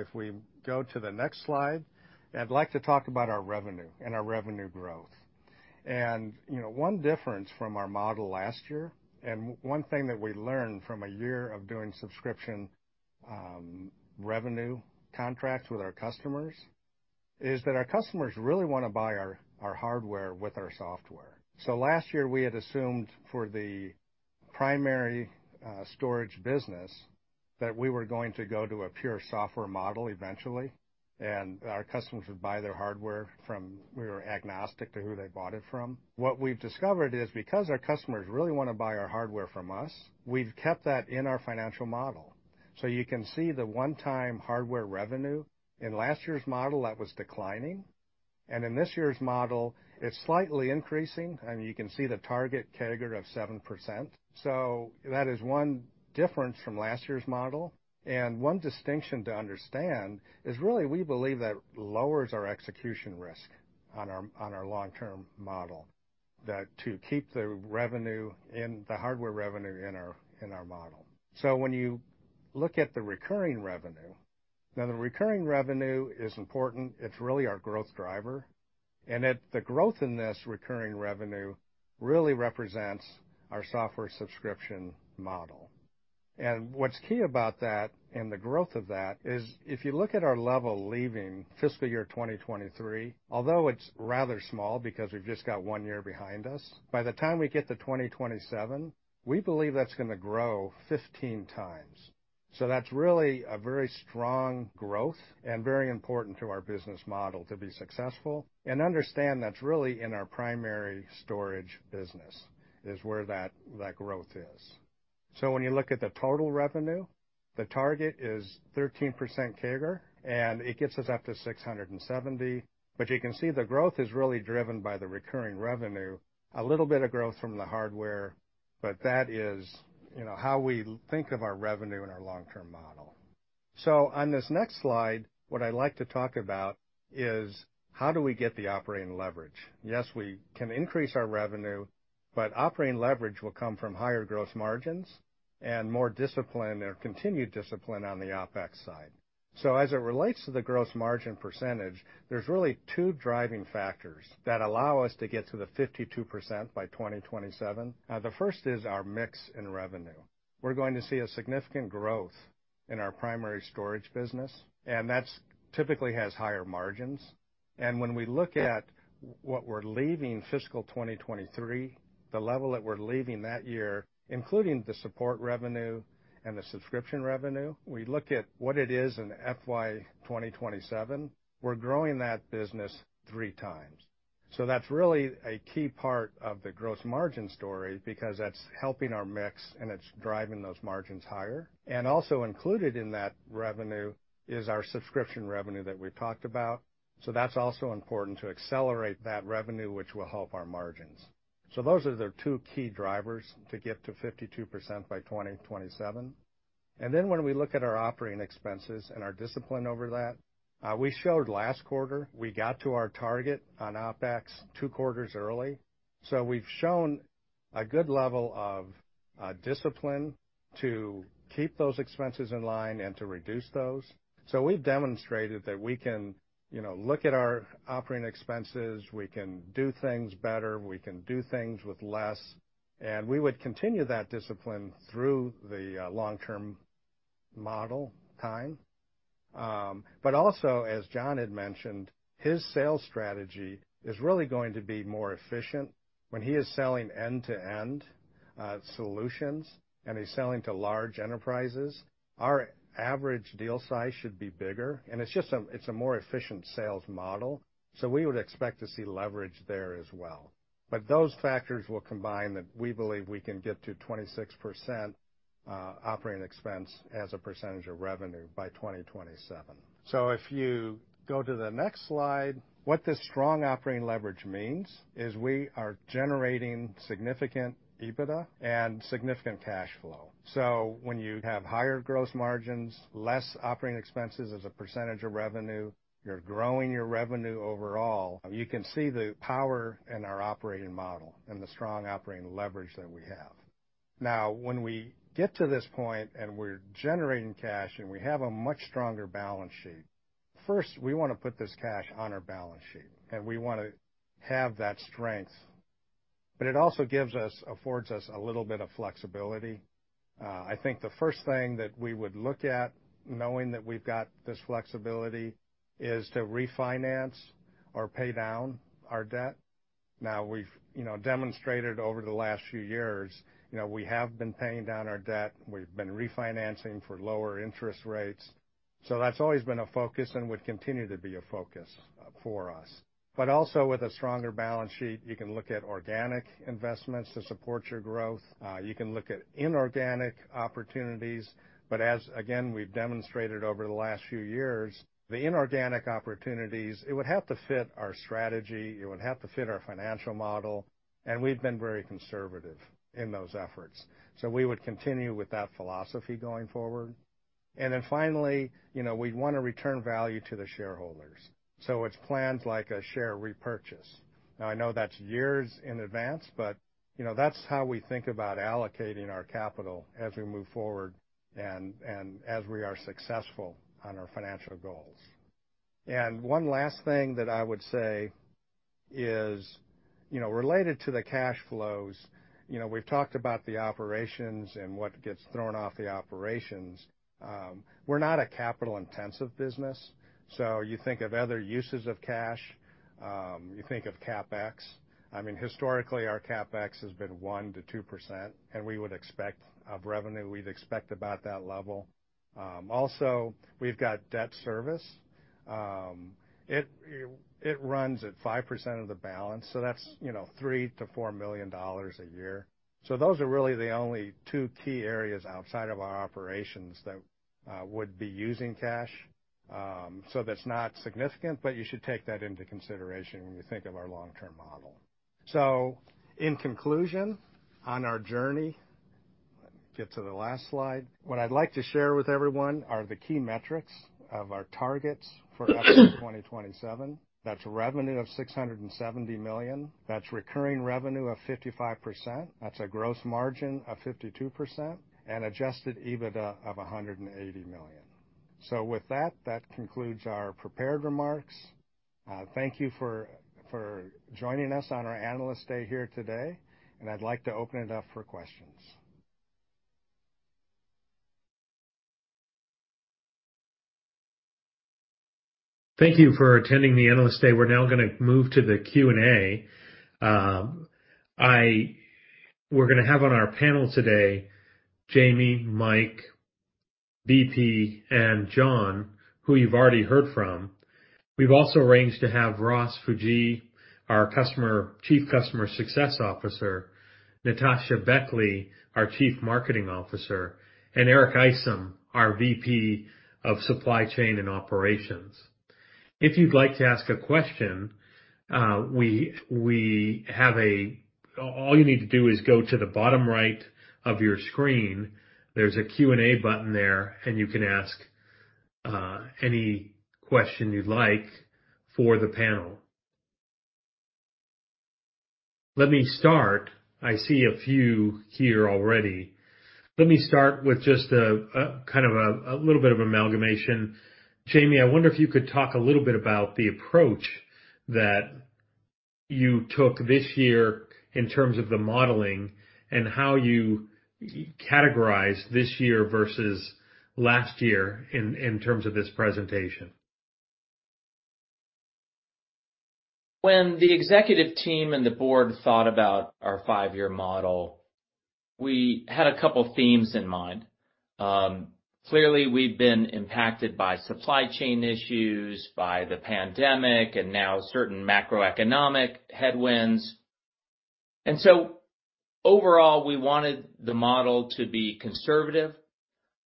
If we go to the next slide, I'd like to talk about our revenue and our revenue growth. You know, one difference from our model last year, and one thing that we learned from a year of doing subscription revenue contracts with our customers, is that our customers really wanna buy our hardware with our software. Last year we had assumed for the primary storage business that we were going to go to a pure software model eventually, and our customers would buy their hardware from, we were agnostic to who they bought it from. What we've discovered is because our customers really wanna buy our hardware from us, we've kept that in our financial model. You can see the one-time hardware revenue in last year's model, that was declining. In this year's model, it's slightly increasing, and you can see the target CAGR of 7%. That is one difference from last year's model. One distinction to understand is really we believe that lowers our execution risk on our long-term model, that to keep the hardware revenue in our model. When you look at the recurring revenue, now the recurring revenue is important. It's really our growth driver. The growth in this recurring revenue really represents our software subscription model. What's key about that and the growth of that is if you look at our level leaving fiscal year 2023, although it's rather small because we've just got one year behind us, by the time we get to 2027, we believe that's gonna grow 15 times. That's really a very strong growth and very important to our business model to be successful. Understand that's really in our primary storage business, is where that growth is. When you look at the total revenue, the target is 13% CAGR, and it gets us up to $670. You can see the growth is really driven by the recurring revenue. A little bit of growth from the hardware, but that is, you know, how we think of our revenue in our long-term model. On this next slide, what I'd like to talk about is how do we get the operating leverage? Yes, we can increase our revenue, but operating leverage will come from higher gross margins and more discipline or continued discipline on the OpEx side. As it relates to the gross margin percentage, there's really two driving factors that allow us to get to 52% by 2027. The first is our mix in revenue. We're going to see a significant growth in our primary storage business, and that's typically has higher margins. When we look at what we're leaving fiscal 2023, the level that we're leaving that year, including the support revenue and the subscription revenue, we look at what it is in F.Y 2027, we're growing that business three times. That's really a key part of the gross margin story because that's helping our mix, and it's driving those margins higher. Also included in that revenue is our subscription revenue that we talked about. That's also important to accelerate that revenue, which will help our margins. Those are the two key drivers to get to 52% by 2027. When we look at our operating expenses and our discipline over that, we showed last quarter we got to our target on OpEx two quarters early. We've shown a good level of discipline to keep those expenses in line and to reduce those. We've demonstrated that we can, you know, look at our operating expenses, we can do things better, we can do things with less, and we would continue that discipline through the long-term model time. Also, as John had mentioned, his sales strategy is really going to be more efficient when he is selling end-to-end solutions, and he's selling to large enterprises. Our average deal size should be bigger, and it's a more efficient sales model, so we would expect to see leverage there as well. Those factors will combine that we believe we can get to 26% operating expense as a percentage of revenue by 2027. If you go to the next slide, what this strong operating leverage means is we are generating significant EBITDA and significant cash flow. When you have higher gross margins, less operating expenses as a percentage of revenue, you're growing your revenue overall. You can see the power in our operating model and the strong operating leverage that we have. Now, when we get to this point and we're generating cash and we have a much stronger balance sheet, first, we wanna put this cash on our balance sheet, and we wanna have that strength. It also affords us a little bit of flexibility. I think the first thing that we would look at knowing that we've got this flexibility is to refinance or pay down our debt. Now we've, you know, demonstrated over the last few years, you know, we have been paying down our debt. We've been refinancing for lower interest rates. That's always been a focus and would continue to be a focus for us. Also with a stronger balance sheet, you can look at organic investments to support your growth. You can look at inorganic opportunities. As again, we've demonstrated over the last few years, the inorganic opportunities, it would have to fit our strategy, it would have to fit our financial model, and we've been very conservative in those efforts. We would continue with that philosophy going forward. Finally, you know, we'd wanna return value to the shareholders. It's plans like a share repurchase. Now I know that's years in advance, but, you know, that's how we think about allocating our capital as we move forward and as we are successful on our financial goals. One last thing that I would say is, you know, related to the cash flows, you know, we've talked about the operations and what gets thrown off the operations. We're not a capital intensive business, so you think of other uses of cash, you think of CapEx. I mean, historically, our CapEx has been 1%-2%, and we would expect of revenue, we'd expect about that level. Also we've got debt service. It runs at 5% of the balance, so that's, you know, $3 million-$4 million a year. Those are really the only two key areas outside of our operations that would be using cash. That's not significant, but you should take that into consideration when you think of our long-term model. In conclusion, on our journey, let me get to the last slide. What I'd like to share with everyone are the key metrics of our targets for FY 2027. That's revenue of $670 million. That's recurring revenue of 55%. That's a gross margin of 52% and adjusted EBITDA of $180 million. With that concludes our prepared remarks. Thank you for joining us on our Analyst Day here today, and I'd like to open it up for questions. Thank you for attending the Analyst Day. We're now gonna move to the Q&A. We're gonna have on our panel today, Jamie, Mike, BP, and John, who you've already heard from. We've also arranged to have Ross Fujii, our Chief Customer Success Officer, Natasha Beckley, our Chief Marketing Officer, and Eric Isom, our VP of Supply Chain and Operations. If you'd like to ask a question, all you need to do is go to the bottom right of your screen. There's a Q&A button there, and you can ask any question you'd like for the panel. Let me start. I see a few here already. Let me start with just a kind of a little bit of amalgamation. Jamie, I wonder if you could talk a little bit about the approach that you took this year in terms of the modeling and how you categorize this year versus last year in terms of this presentation? When the executive team and the board thought about our five-year model, we had a couple of themes in mind. Clearly, we've been impacted by supply chain issues, by the pandemic and now certain macroeconomic headwinds. Overall, we wanted the model to be conservative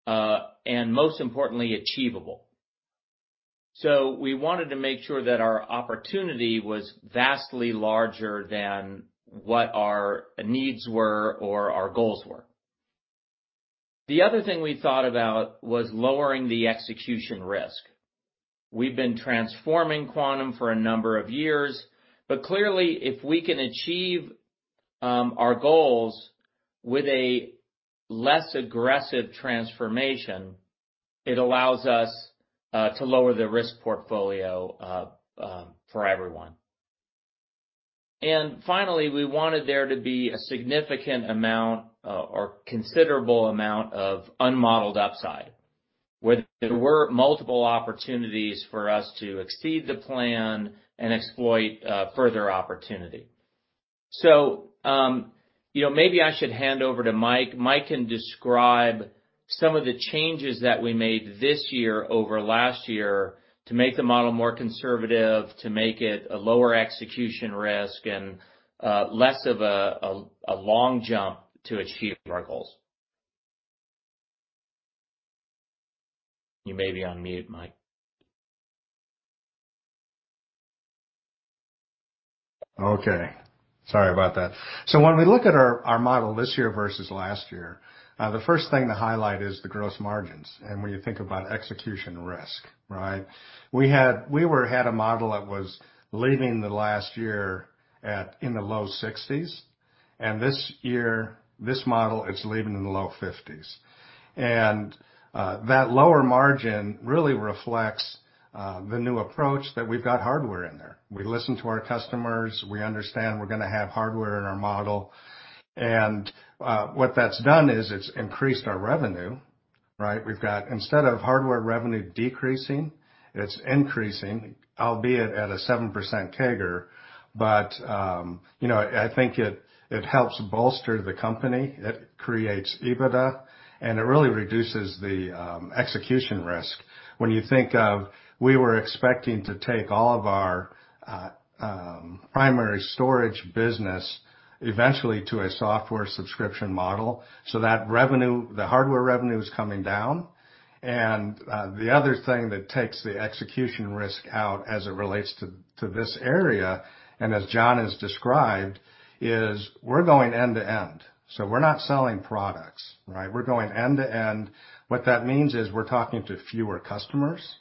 and most importantly, achievable. We wanted to make sure that our opportunity was vastly larger than what our needs were or our goals were. The other thing we thought about was lowering the execution risk. We've been transforming Quantum for a number of years, but clearly, if we can achieve our goals with a less aggressive transformation, it allows us to lower the risk portfolio for everyone. Finally, we wanted there to be a significant amount or considerable amount of unmodeled upside, where there were multiple opportunities for us to exceed the plan and exploit further opportunity. You know, maybe I should hand over to Mike. Mike can describe some of the changes that we made this year over last year to make the model more conservative, to make it a lower execution risk and less of a long jump to achieve our goals. You may be on mute, Mike. Okay. Sorry about that. When we look at our model this year versus last year, the first thing to highlight is the gross margins. When you think about execution risk, right? We had a model that was leaving the last year in the low 60s. This year, this model is leaving in the low 50s. That lower margin really reflects the new approach that we've got hardware in there. We listen to our customers, we understand we're gonna have hardware in our model. What that's done is it's increased our revenue, right? We've got instead of hardware revenue decreasing, it's increasing, albeit at a 7% CAGR. You know, I think it helps bolster the company. It creates EBITDA, and it really reduces the execution risk. When you think of we were expecting to take all of our primary storage business eventually to a software subscription model so that revenue, the hardware revenue is coming down. The other thing that takes the execution risk out as it relates to this area, and as John has described, is we're going end-to-end. We're not selling products, right? We're going end-to-end. What that means is we're talking to fewer customers,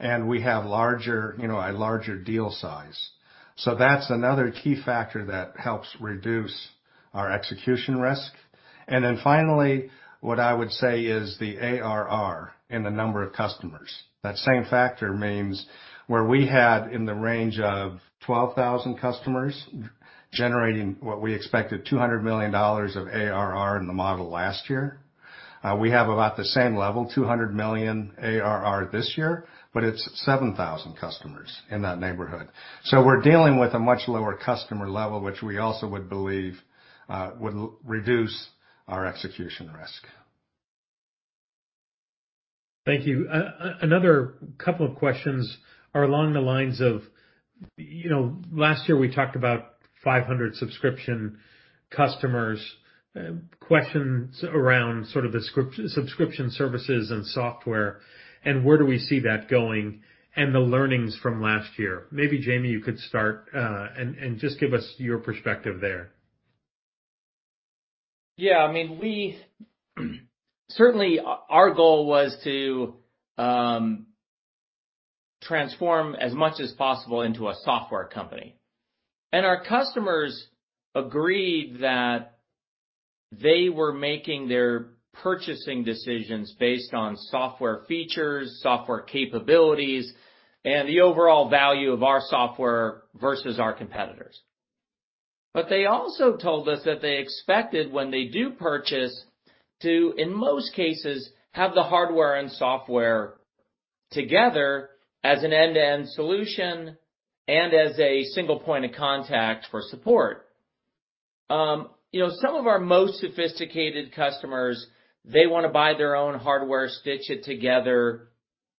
and we have, you know, a larger deal size. That's another key factor that helps reduce our execution risk. Finally, what I would say is the ARR in the number of customers. That same factor means where we had in the range of 12,000 customers generating what we expected, $200 million of ARR in the model last year, we have about the same level, $200 million ARR this year, but it's 7,000 customers in that neighborhood. We're dealing with a much lower customer level, which we also would believe would reduce our execution risk. Thank you. Another couple of questions are along the lines of, you know, last year we talked about 500 subscription customers. Questions around sort of the subscription services and software and where do we see that going and the learnings from last year? Maybe Jamie, you could start and just give us your perspective there. Yeah, I mean, certainly, our goal was to transform as much as possible into a software company. Our customers agreed that they were making their purchasing decisions based on software features, software capabilities, and the overall value of our software versus our competitors. They also told us that they expected when they do purchase to, in most cases, have the hardware and software together as an end-to-end solution and as a single point of contact for support. You know, some of our most sophisticated customers, they wanna buy their own hardware, stitch it together,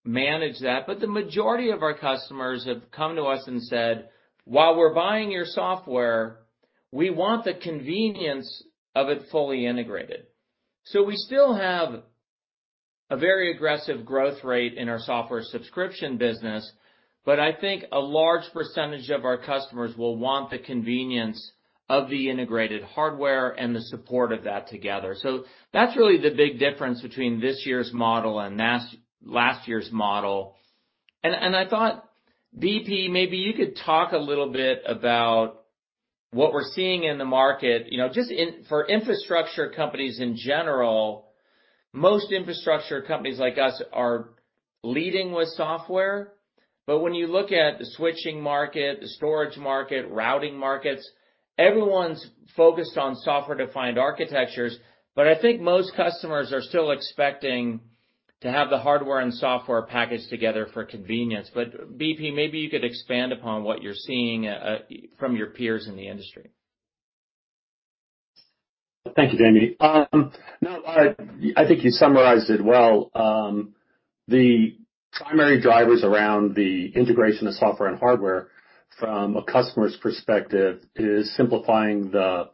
manage that, but the majority of our customers have come to us and said, "While we're buying your software, we want the convenience of it fully integrated." We still have a very aggressive growth rate in our software subscription business, but I think a large percentage of our customers will want the convenience of the integrated hardware and the support of that together. That's really the big difference between this year's model and last year's model. I thought, BP, maybe you could talk a little bit about what we're seeing in the market, you know, for infrastructure companies in general. Most infrastructure companies like us are leading with software. When you look at the switching market, the storage market, routing markets, everyone's focused on software-defined architectures. I think most customers are still expecting to have the hardware and software packaged together for convenience. BP, maybe you could expand upon what you're seeing from your peers in the industry. Thank you, Jamie. No, I think you summarized it well. The primary drivers around the integration of software and hardware from a customer's perspective is simplifying the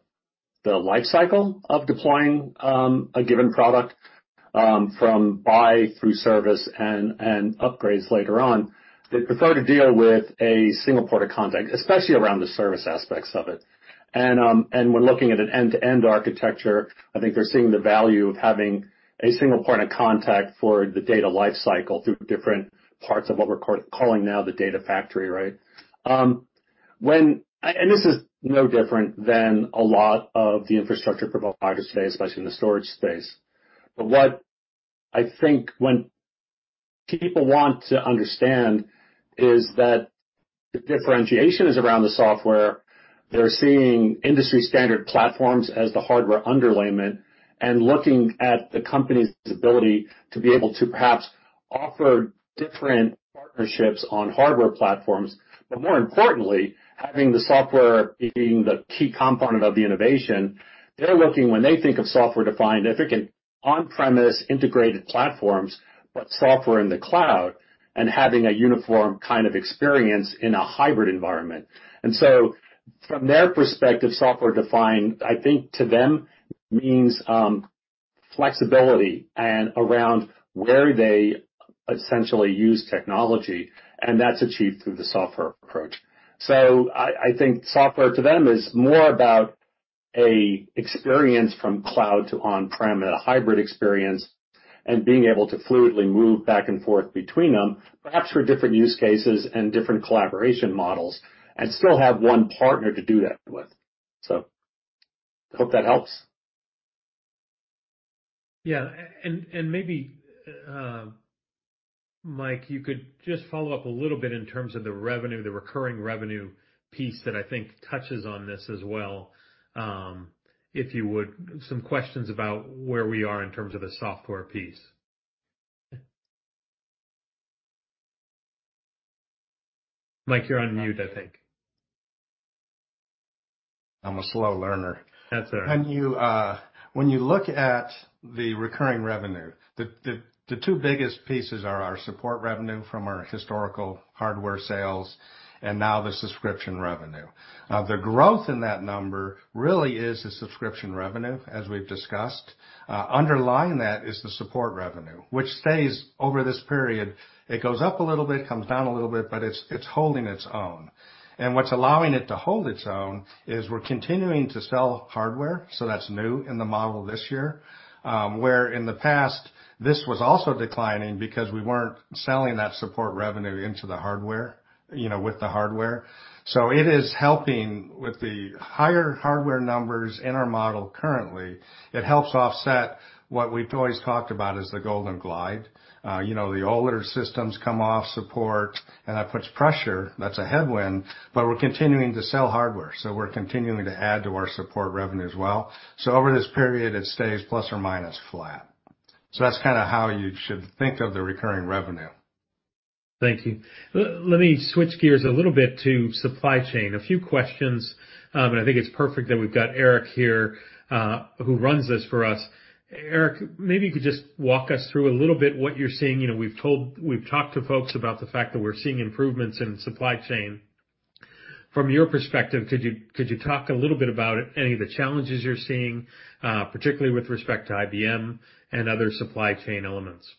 life cycle of deploying a given product from buy through service and upgrades later on. They prefer to deal with a single point of contact, especially around the service aspects of it. We're looking at an end-to-end architecture. I think they're seeing the value of having a single point of contact for the data lifecycle through different parts of what we're calling now the Data Factory, right? This is no different than a lot of the infrastructure providers today, especially in the storage space. What I think when people want to understand is that the differentiation is around the software. They're seeing industry standard platforms as the hardware underlayment and looking at the company's ability to be able to perhaps offer different partnerships on hardware platforms. More importantly, having the software being the key component of the innovation, they're looking when they think of software-defined, if we can on-premise integrated platforms, but software in the cloud and having a uniform kind of experience in a hybrid environment. From their perspective, software-defined, I think to them means flexibility and around where they essentially use technology, and that's achieved through the software approach. I think software to them is more about a experience from cloud to on-prem and a hybrid experience and being able to fluidly move back and forth between them, perhaps for different use cases and different collaboration models, and still have one partner to do that with. Hope that helps. Yeah, a-and, and maybe, uh, Mike, you could just follow up a little bit in terms of the revenue, the recurring revenue piece that I think touches on this as well, um, if you would. Some questions about where we are in terms of the software piece. Mike, you're on mute, I think. I'm a slow learner. That's all right. When you look at the recurring revenue, the two biggest pieces are our support revenue from our historical hardware sales and now the subscription revenue. The growth in that number really is the subscription revenue, as we've discussed. Underlying that is the support revenue, which stays over this period. It goes up a little bit, comes down a little bit, but it's holding its own. What's allowing it to hold its own is we're continuing to sell hardware, so that's new in the model this year. Where in the past this was also declining because we weren't selling that support revenue into the hardware, you know, with the hardware. It is helping with the higher hardware numbers in our model currently. It helps offset what we've always talked about as the golden glide. You know, the older systems come off support, and that puts pressure. That's a headwind. We're continuing to sell hardware, so we're continuing to add to our support revenue as well. Over this period, it stays ± flat. That's kinda how you should think of the recurring revenue. Thank you. Let me switch gears a little bit to supply chain. A few questions, and I think it's perfect that we've got Eric here, who runs this for us. Eric, maybe you could just walk us through a little bit what you're seeing. You know, we've talked to folks about the fact that we're seeing improvements in supply chain. From your perspective, could you talk a little bit about any of the challenges you're seeing, particularly with respect to IBM and other supply chain elements?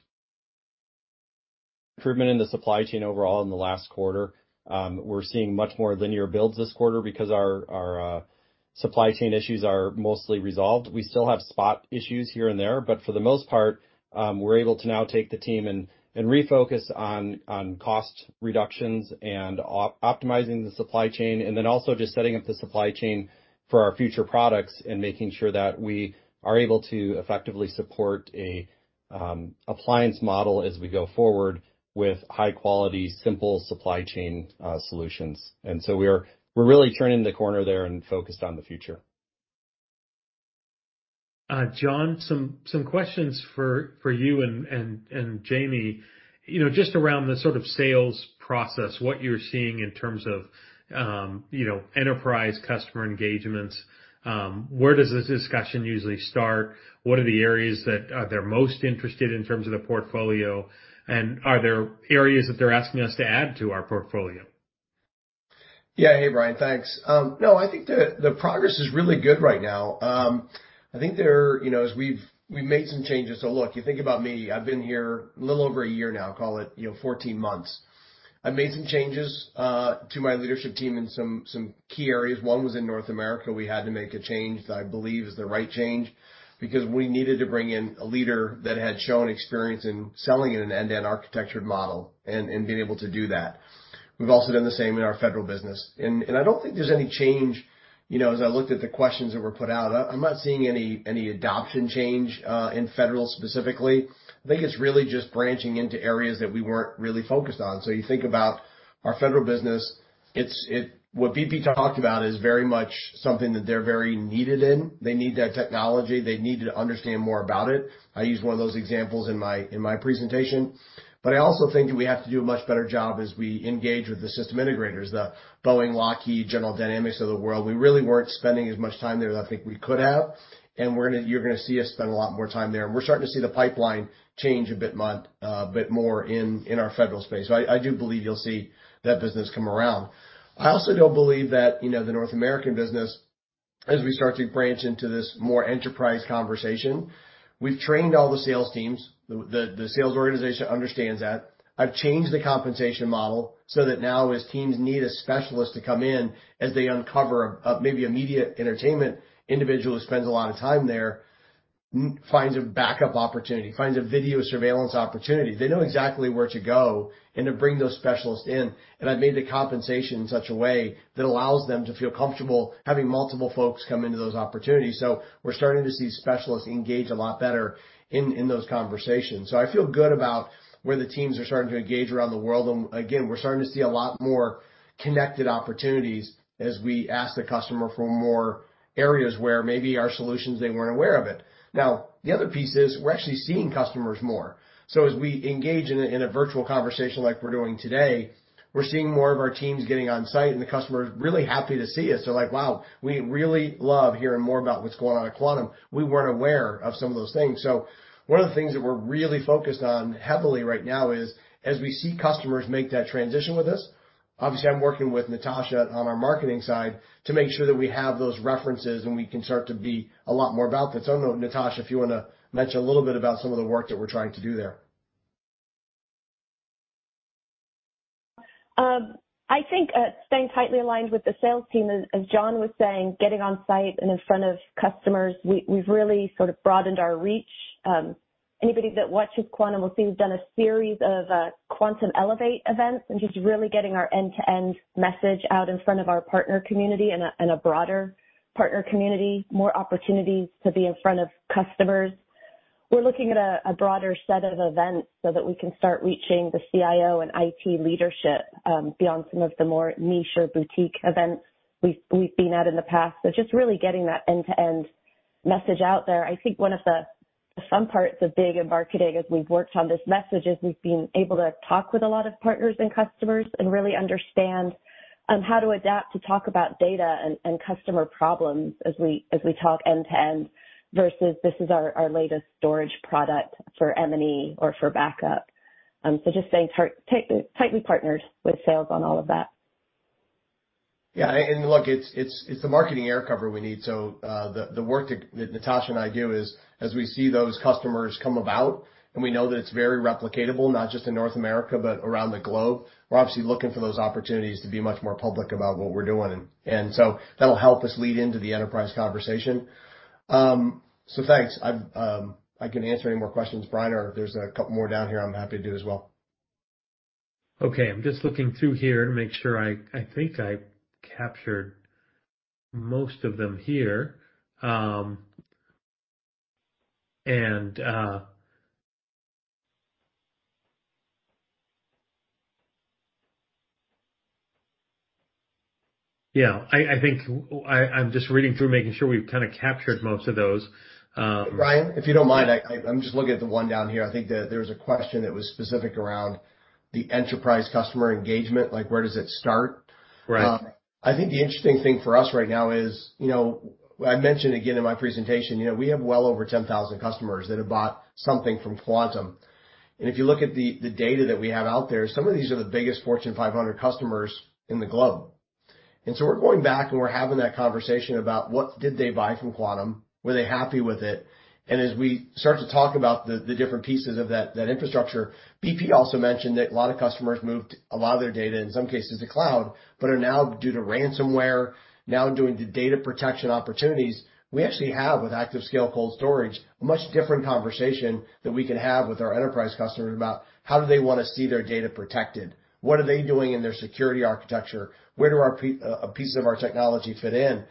Improvement in the supply chain overall in the last quarter. We're seeing much more linear builds this quarter because our supply chain issues are mostly resolved. We still have spot issues here and there, but for the most part, we're able to now take the team and refocus on cost reductions and optimizing the supply chain, and then also just setting up the supply chain for our future products and making sure that we are able to effectively support a appliance model as we go forward with high-quality, simple supply chain solutions. We're really turning the corner there and focused on the future. John, some questions for you and Jamie. You know, just around the sort of sales process, what you're seeing in terms of, you know, enterprise customer engagements, where does this discussion usually start? What are the areas that they're most interested in terms of the portfolio? Are there areas that they're asking us to add to our portfolio? Yeah. Hey, Brian. Thanks. No, I think the progress is really good right now. You know, as we've made some changes, look, you think about me, I've been here a little over a year now, call it, you know, 14 months. I made some changes to my leadership team in some key areas. One was in North America. We had to make a change that I believe is the right change because we needed to bring in a leader that had shown experience in selling in an end-to-end architectured model and being able to do that. We've also done the same in our federal business. I don't think there's any change. You know, as I looked at the questions that were put out, I'm not seeing any adoption change in federal specifically. I think it's really just branching into areas that we weren't really focused on. You think about our federal business, what BP talked about is very much something that they're very needed in. They need that technology. They need to understand more about it. I used one of those examples in my presentation. I also think that we have to do a much better job as we engage with the system integrators, the Boeing, Lockheed, General Dynamics of the world. We really weren't spending as much time there as I think we could have, and you're gonna see us spend a lot more time there. We're starting to see the pipeline change a bit more in our federal space. I do believe you'll see that business come around. I also don't believe that, you know, the North American business, as we start to branch into this more enterprise conversation, we've trained all the sales teams. The sales organization understands that. I've changed the compensation model so that now as teams need a specialist to come in, as they uncover maybe a Media & Entertainment individual who spends a lot of time there, finds a backup opportunity, finds a video surveillance opportunity, they know exactly where to go and to bring those specialists in. I've made the compensation in such a way that allows them to feel comfortable having multiple folks come into those opportunities. We're starting to see specialists engage a lot better in those conversations. I feel good about where the teams are starting to engage around the world. Again, we're starting to see a lot more connected opportunities as we ask the customer for more areas where maybe our solutions, they weren't aware of it. Now, the other piece is we're actually seeing customers more. As we engage in a virtual conversation like we're doing today, we're seeing more of our teams getting on site, and the customer is really happy to see us. They're like, "Wow, we really love hearing more about what's going on at Quantum. We weren't aware of some of those things." One of the things that we're really focused on heavily right now is, as we see customers make that transition with us, obviously I'm working with Natasha on our marketing side to make sure that we have those references, and we can start to be a lot more about this. I don't know, Natasha, if you wanna mention a little bit about some of the work that we're trying to do there. I think staying tightly aligned with the sales team, as John was saying, getting on site and in front of customers, we've really sort of broadened our reach. Anybody that watches Quantum will see we've done a series of Quantum Elevate events and just really getting our end-to-end message out in front of our partner community and a broader partner community, more opportunities to be in front of customers. We're looking at a broader set of events so that we can start reaching the CIO and IT leadership beyond some of the more niche or boutique events we've been at in the past. Just really getting that end-to-end message out there. I think one of the fun parts of being in marketing, as we've worked on this message, is we've been able to talk with a lot of partners and customers and really understand how to adapt to talk about data and customer problems as we talk end-to-end, versus this is our latest storage product for M&E or for backup. Just staying tightly partnered with sales on all of that. Yeah. Look, it's the marketing air cover we need. The work that Natasha and I do is, as we see those customers come about, and we know that it's very replicatable, not just in North America, but around the globe, we're obviously looking for those opportunities to be much more public about what we're doing, and so that'll help us lead into the enterprise conversation. Thanks. I can answer any more questions, Brian, or if there's a couple more down here, I'm happy to do as well. Okay. I'm just looking through here to make sure. I think I captured most of them here. Yeah. I think I'm just reading through making sure we've kinda captured most of those. Brian, if you don't mind, I'm just looking at the one down here. I think that there was a question that was specific around the enterprise customer engagement, like where does it start? Right. I think the interesting thing for us right now is, you know, I mentioned again in my presentation, you know, we have well over 10,000 customers that have bought something from Quantum. If you look at the data that we have out there, some of these are the biggest Fortune 500 customers in the globe. We're going back and we're having that conversation about what did they buy from Quantum, were they happy with it? As we start to talk about the different pieces of that infrastructure, BP also mentioned that a lot of customers moved a lot of their data, in some cases to cloud, but are now due to ransomware, now doing the data protection opportunities. We actually have with ActiveScale Cold Storage a much different conversation that we can have with our enterprise customers about how do they wanna see their data protected? What are they doing in their security architecture? Where do our pieces of our technology fit in?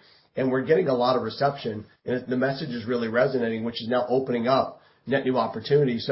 We're getting a lot of reception, and the message is really resonating, which is now opening up net new opportunities.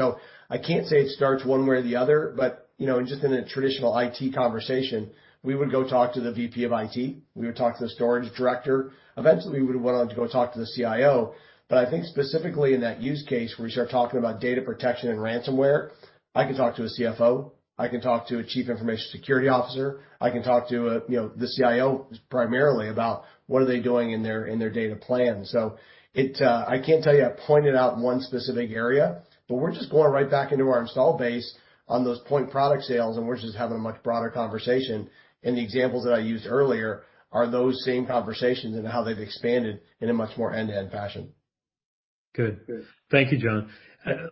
I can't say it starts one way or the other, but, you know, just in a traditional IT conversation, we would go talk to the VP of IT, we would talk to the storage director. Eventually, we would went on to go talk to the CIO. I think specifically in that use case, where you start talking about data protection and ransomware, I can talk to a CFO, I can talk to a chief information security officer, I can talk to, you know, the CIO primarily about what are they doing in their data plan. I can't tell you I pointed out one specific area, but we're just going right back into our install base on those point product sales, and we're just having a much broader conversation. The examples that I used earlier are those same conversations and how they've expanded in a much more end-to-end fashion. Good. Thank you, John.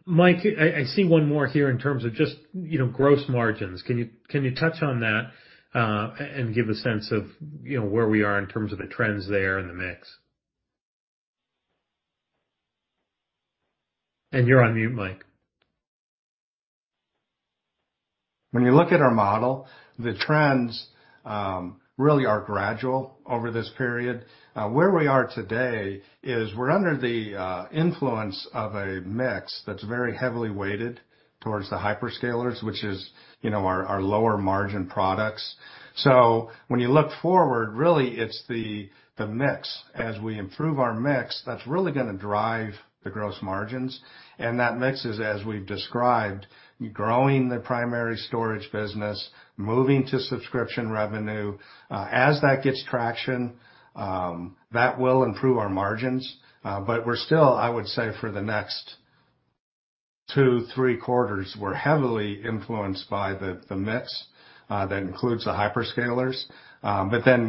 Mike, I see one more here in terms of just, you know, gross margins. Can you touch on that and give a sense of, you know, where we are in terms of the trends there and the mix? You're on mute, Mike. When you look at our model, the trends really are gradual over this period. Where we are today is we're under the influence of a mix that's very heavily weighted towards the hyperscalers, which is, you know, our lower margin products. When you look forward, really it's the mix. As we improve our mix, that's really gonna drive the gross margins, and that mix is, as we've described, growing the primary storage business, moving to subscription revenue. As that gets traction, that will improve our margins. We're still, I would say for the next 2-3 quarters, we're heavily influenced by the mix that includes the hyperscalers.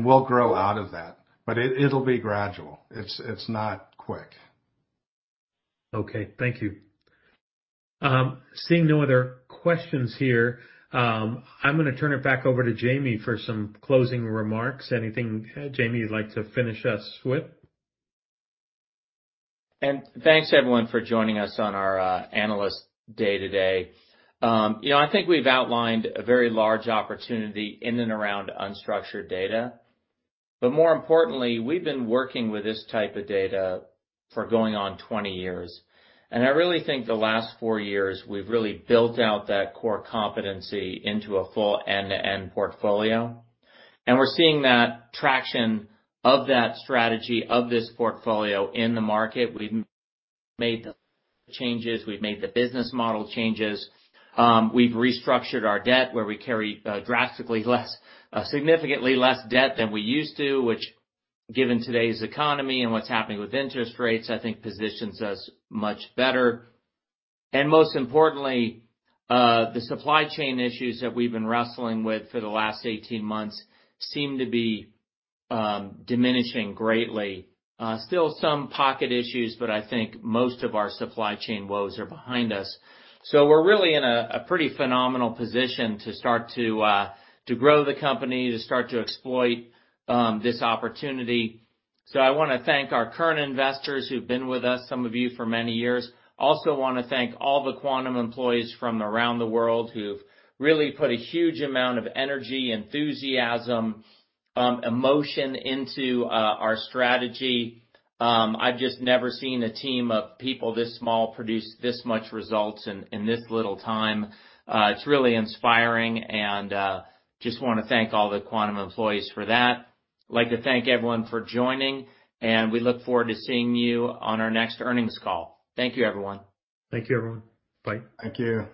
We'll grow out of that, but it'll be gradual. It's not quick. Okay, thank you. Seeing no other questions here, I'm gonna turn it back over to Jamie for some closing remarks. Anything, Jamie you'd like to finish us with? Thanks, everyone, for joining us on our Analyst Day today. You know, I think we've outlined a very large opportunity in and around unstructured data. More importantly, we've been working with this type of data for going on 20 years. I really think the last four years, we've really built out that core competency into a full end-to-end portfolio. We're seeing that traction of that strategy, of this portfolio in the market. We've made the business model changes. We've restructured our debt, where we carry significantly less debt than we used to, which, given today's economy and what's happening with interest rates, I think positions us much better. Most importantly, the supply chain issues that we've been wrestling with for the last 18 months seem to be diminishing greatly. Still some pocket issues, but I think most of our supply chain woes are behind us. We're really in a pretty phenomenal position to start to grow the company, to start to exploit this opportunity. I wanna thank our current investors who've been with us, some of you for many years. Also wanna thank all the Quantum employees from around the world who've really put a huge amount of energy, enthusiasm, emotion into our strategy. I've just never seen a team of people this small produce this much results in this little time. It's really inspiring and just wanna thank all the Quantum employees for that. I'd like to thank everyone for joining, and we look forward to seeing you on our next earnings call. Thank you, everyone. Thank you, everyone. Bye. Thank you.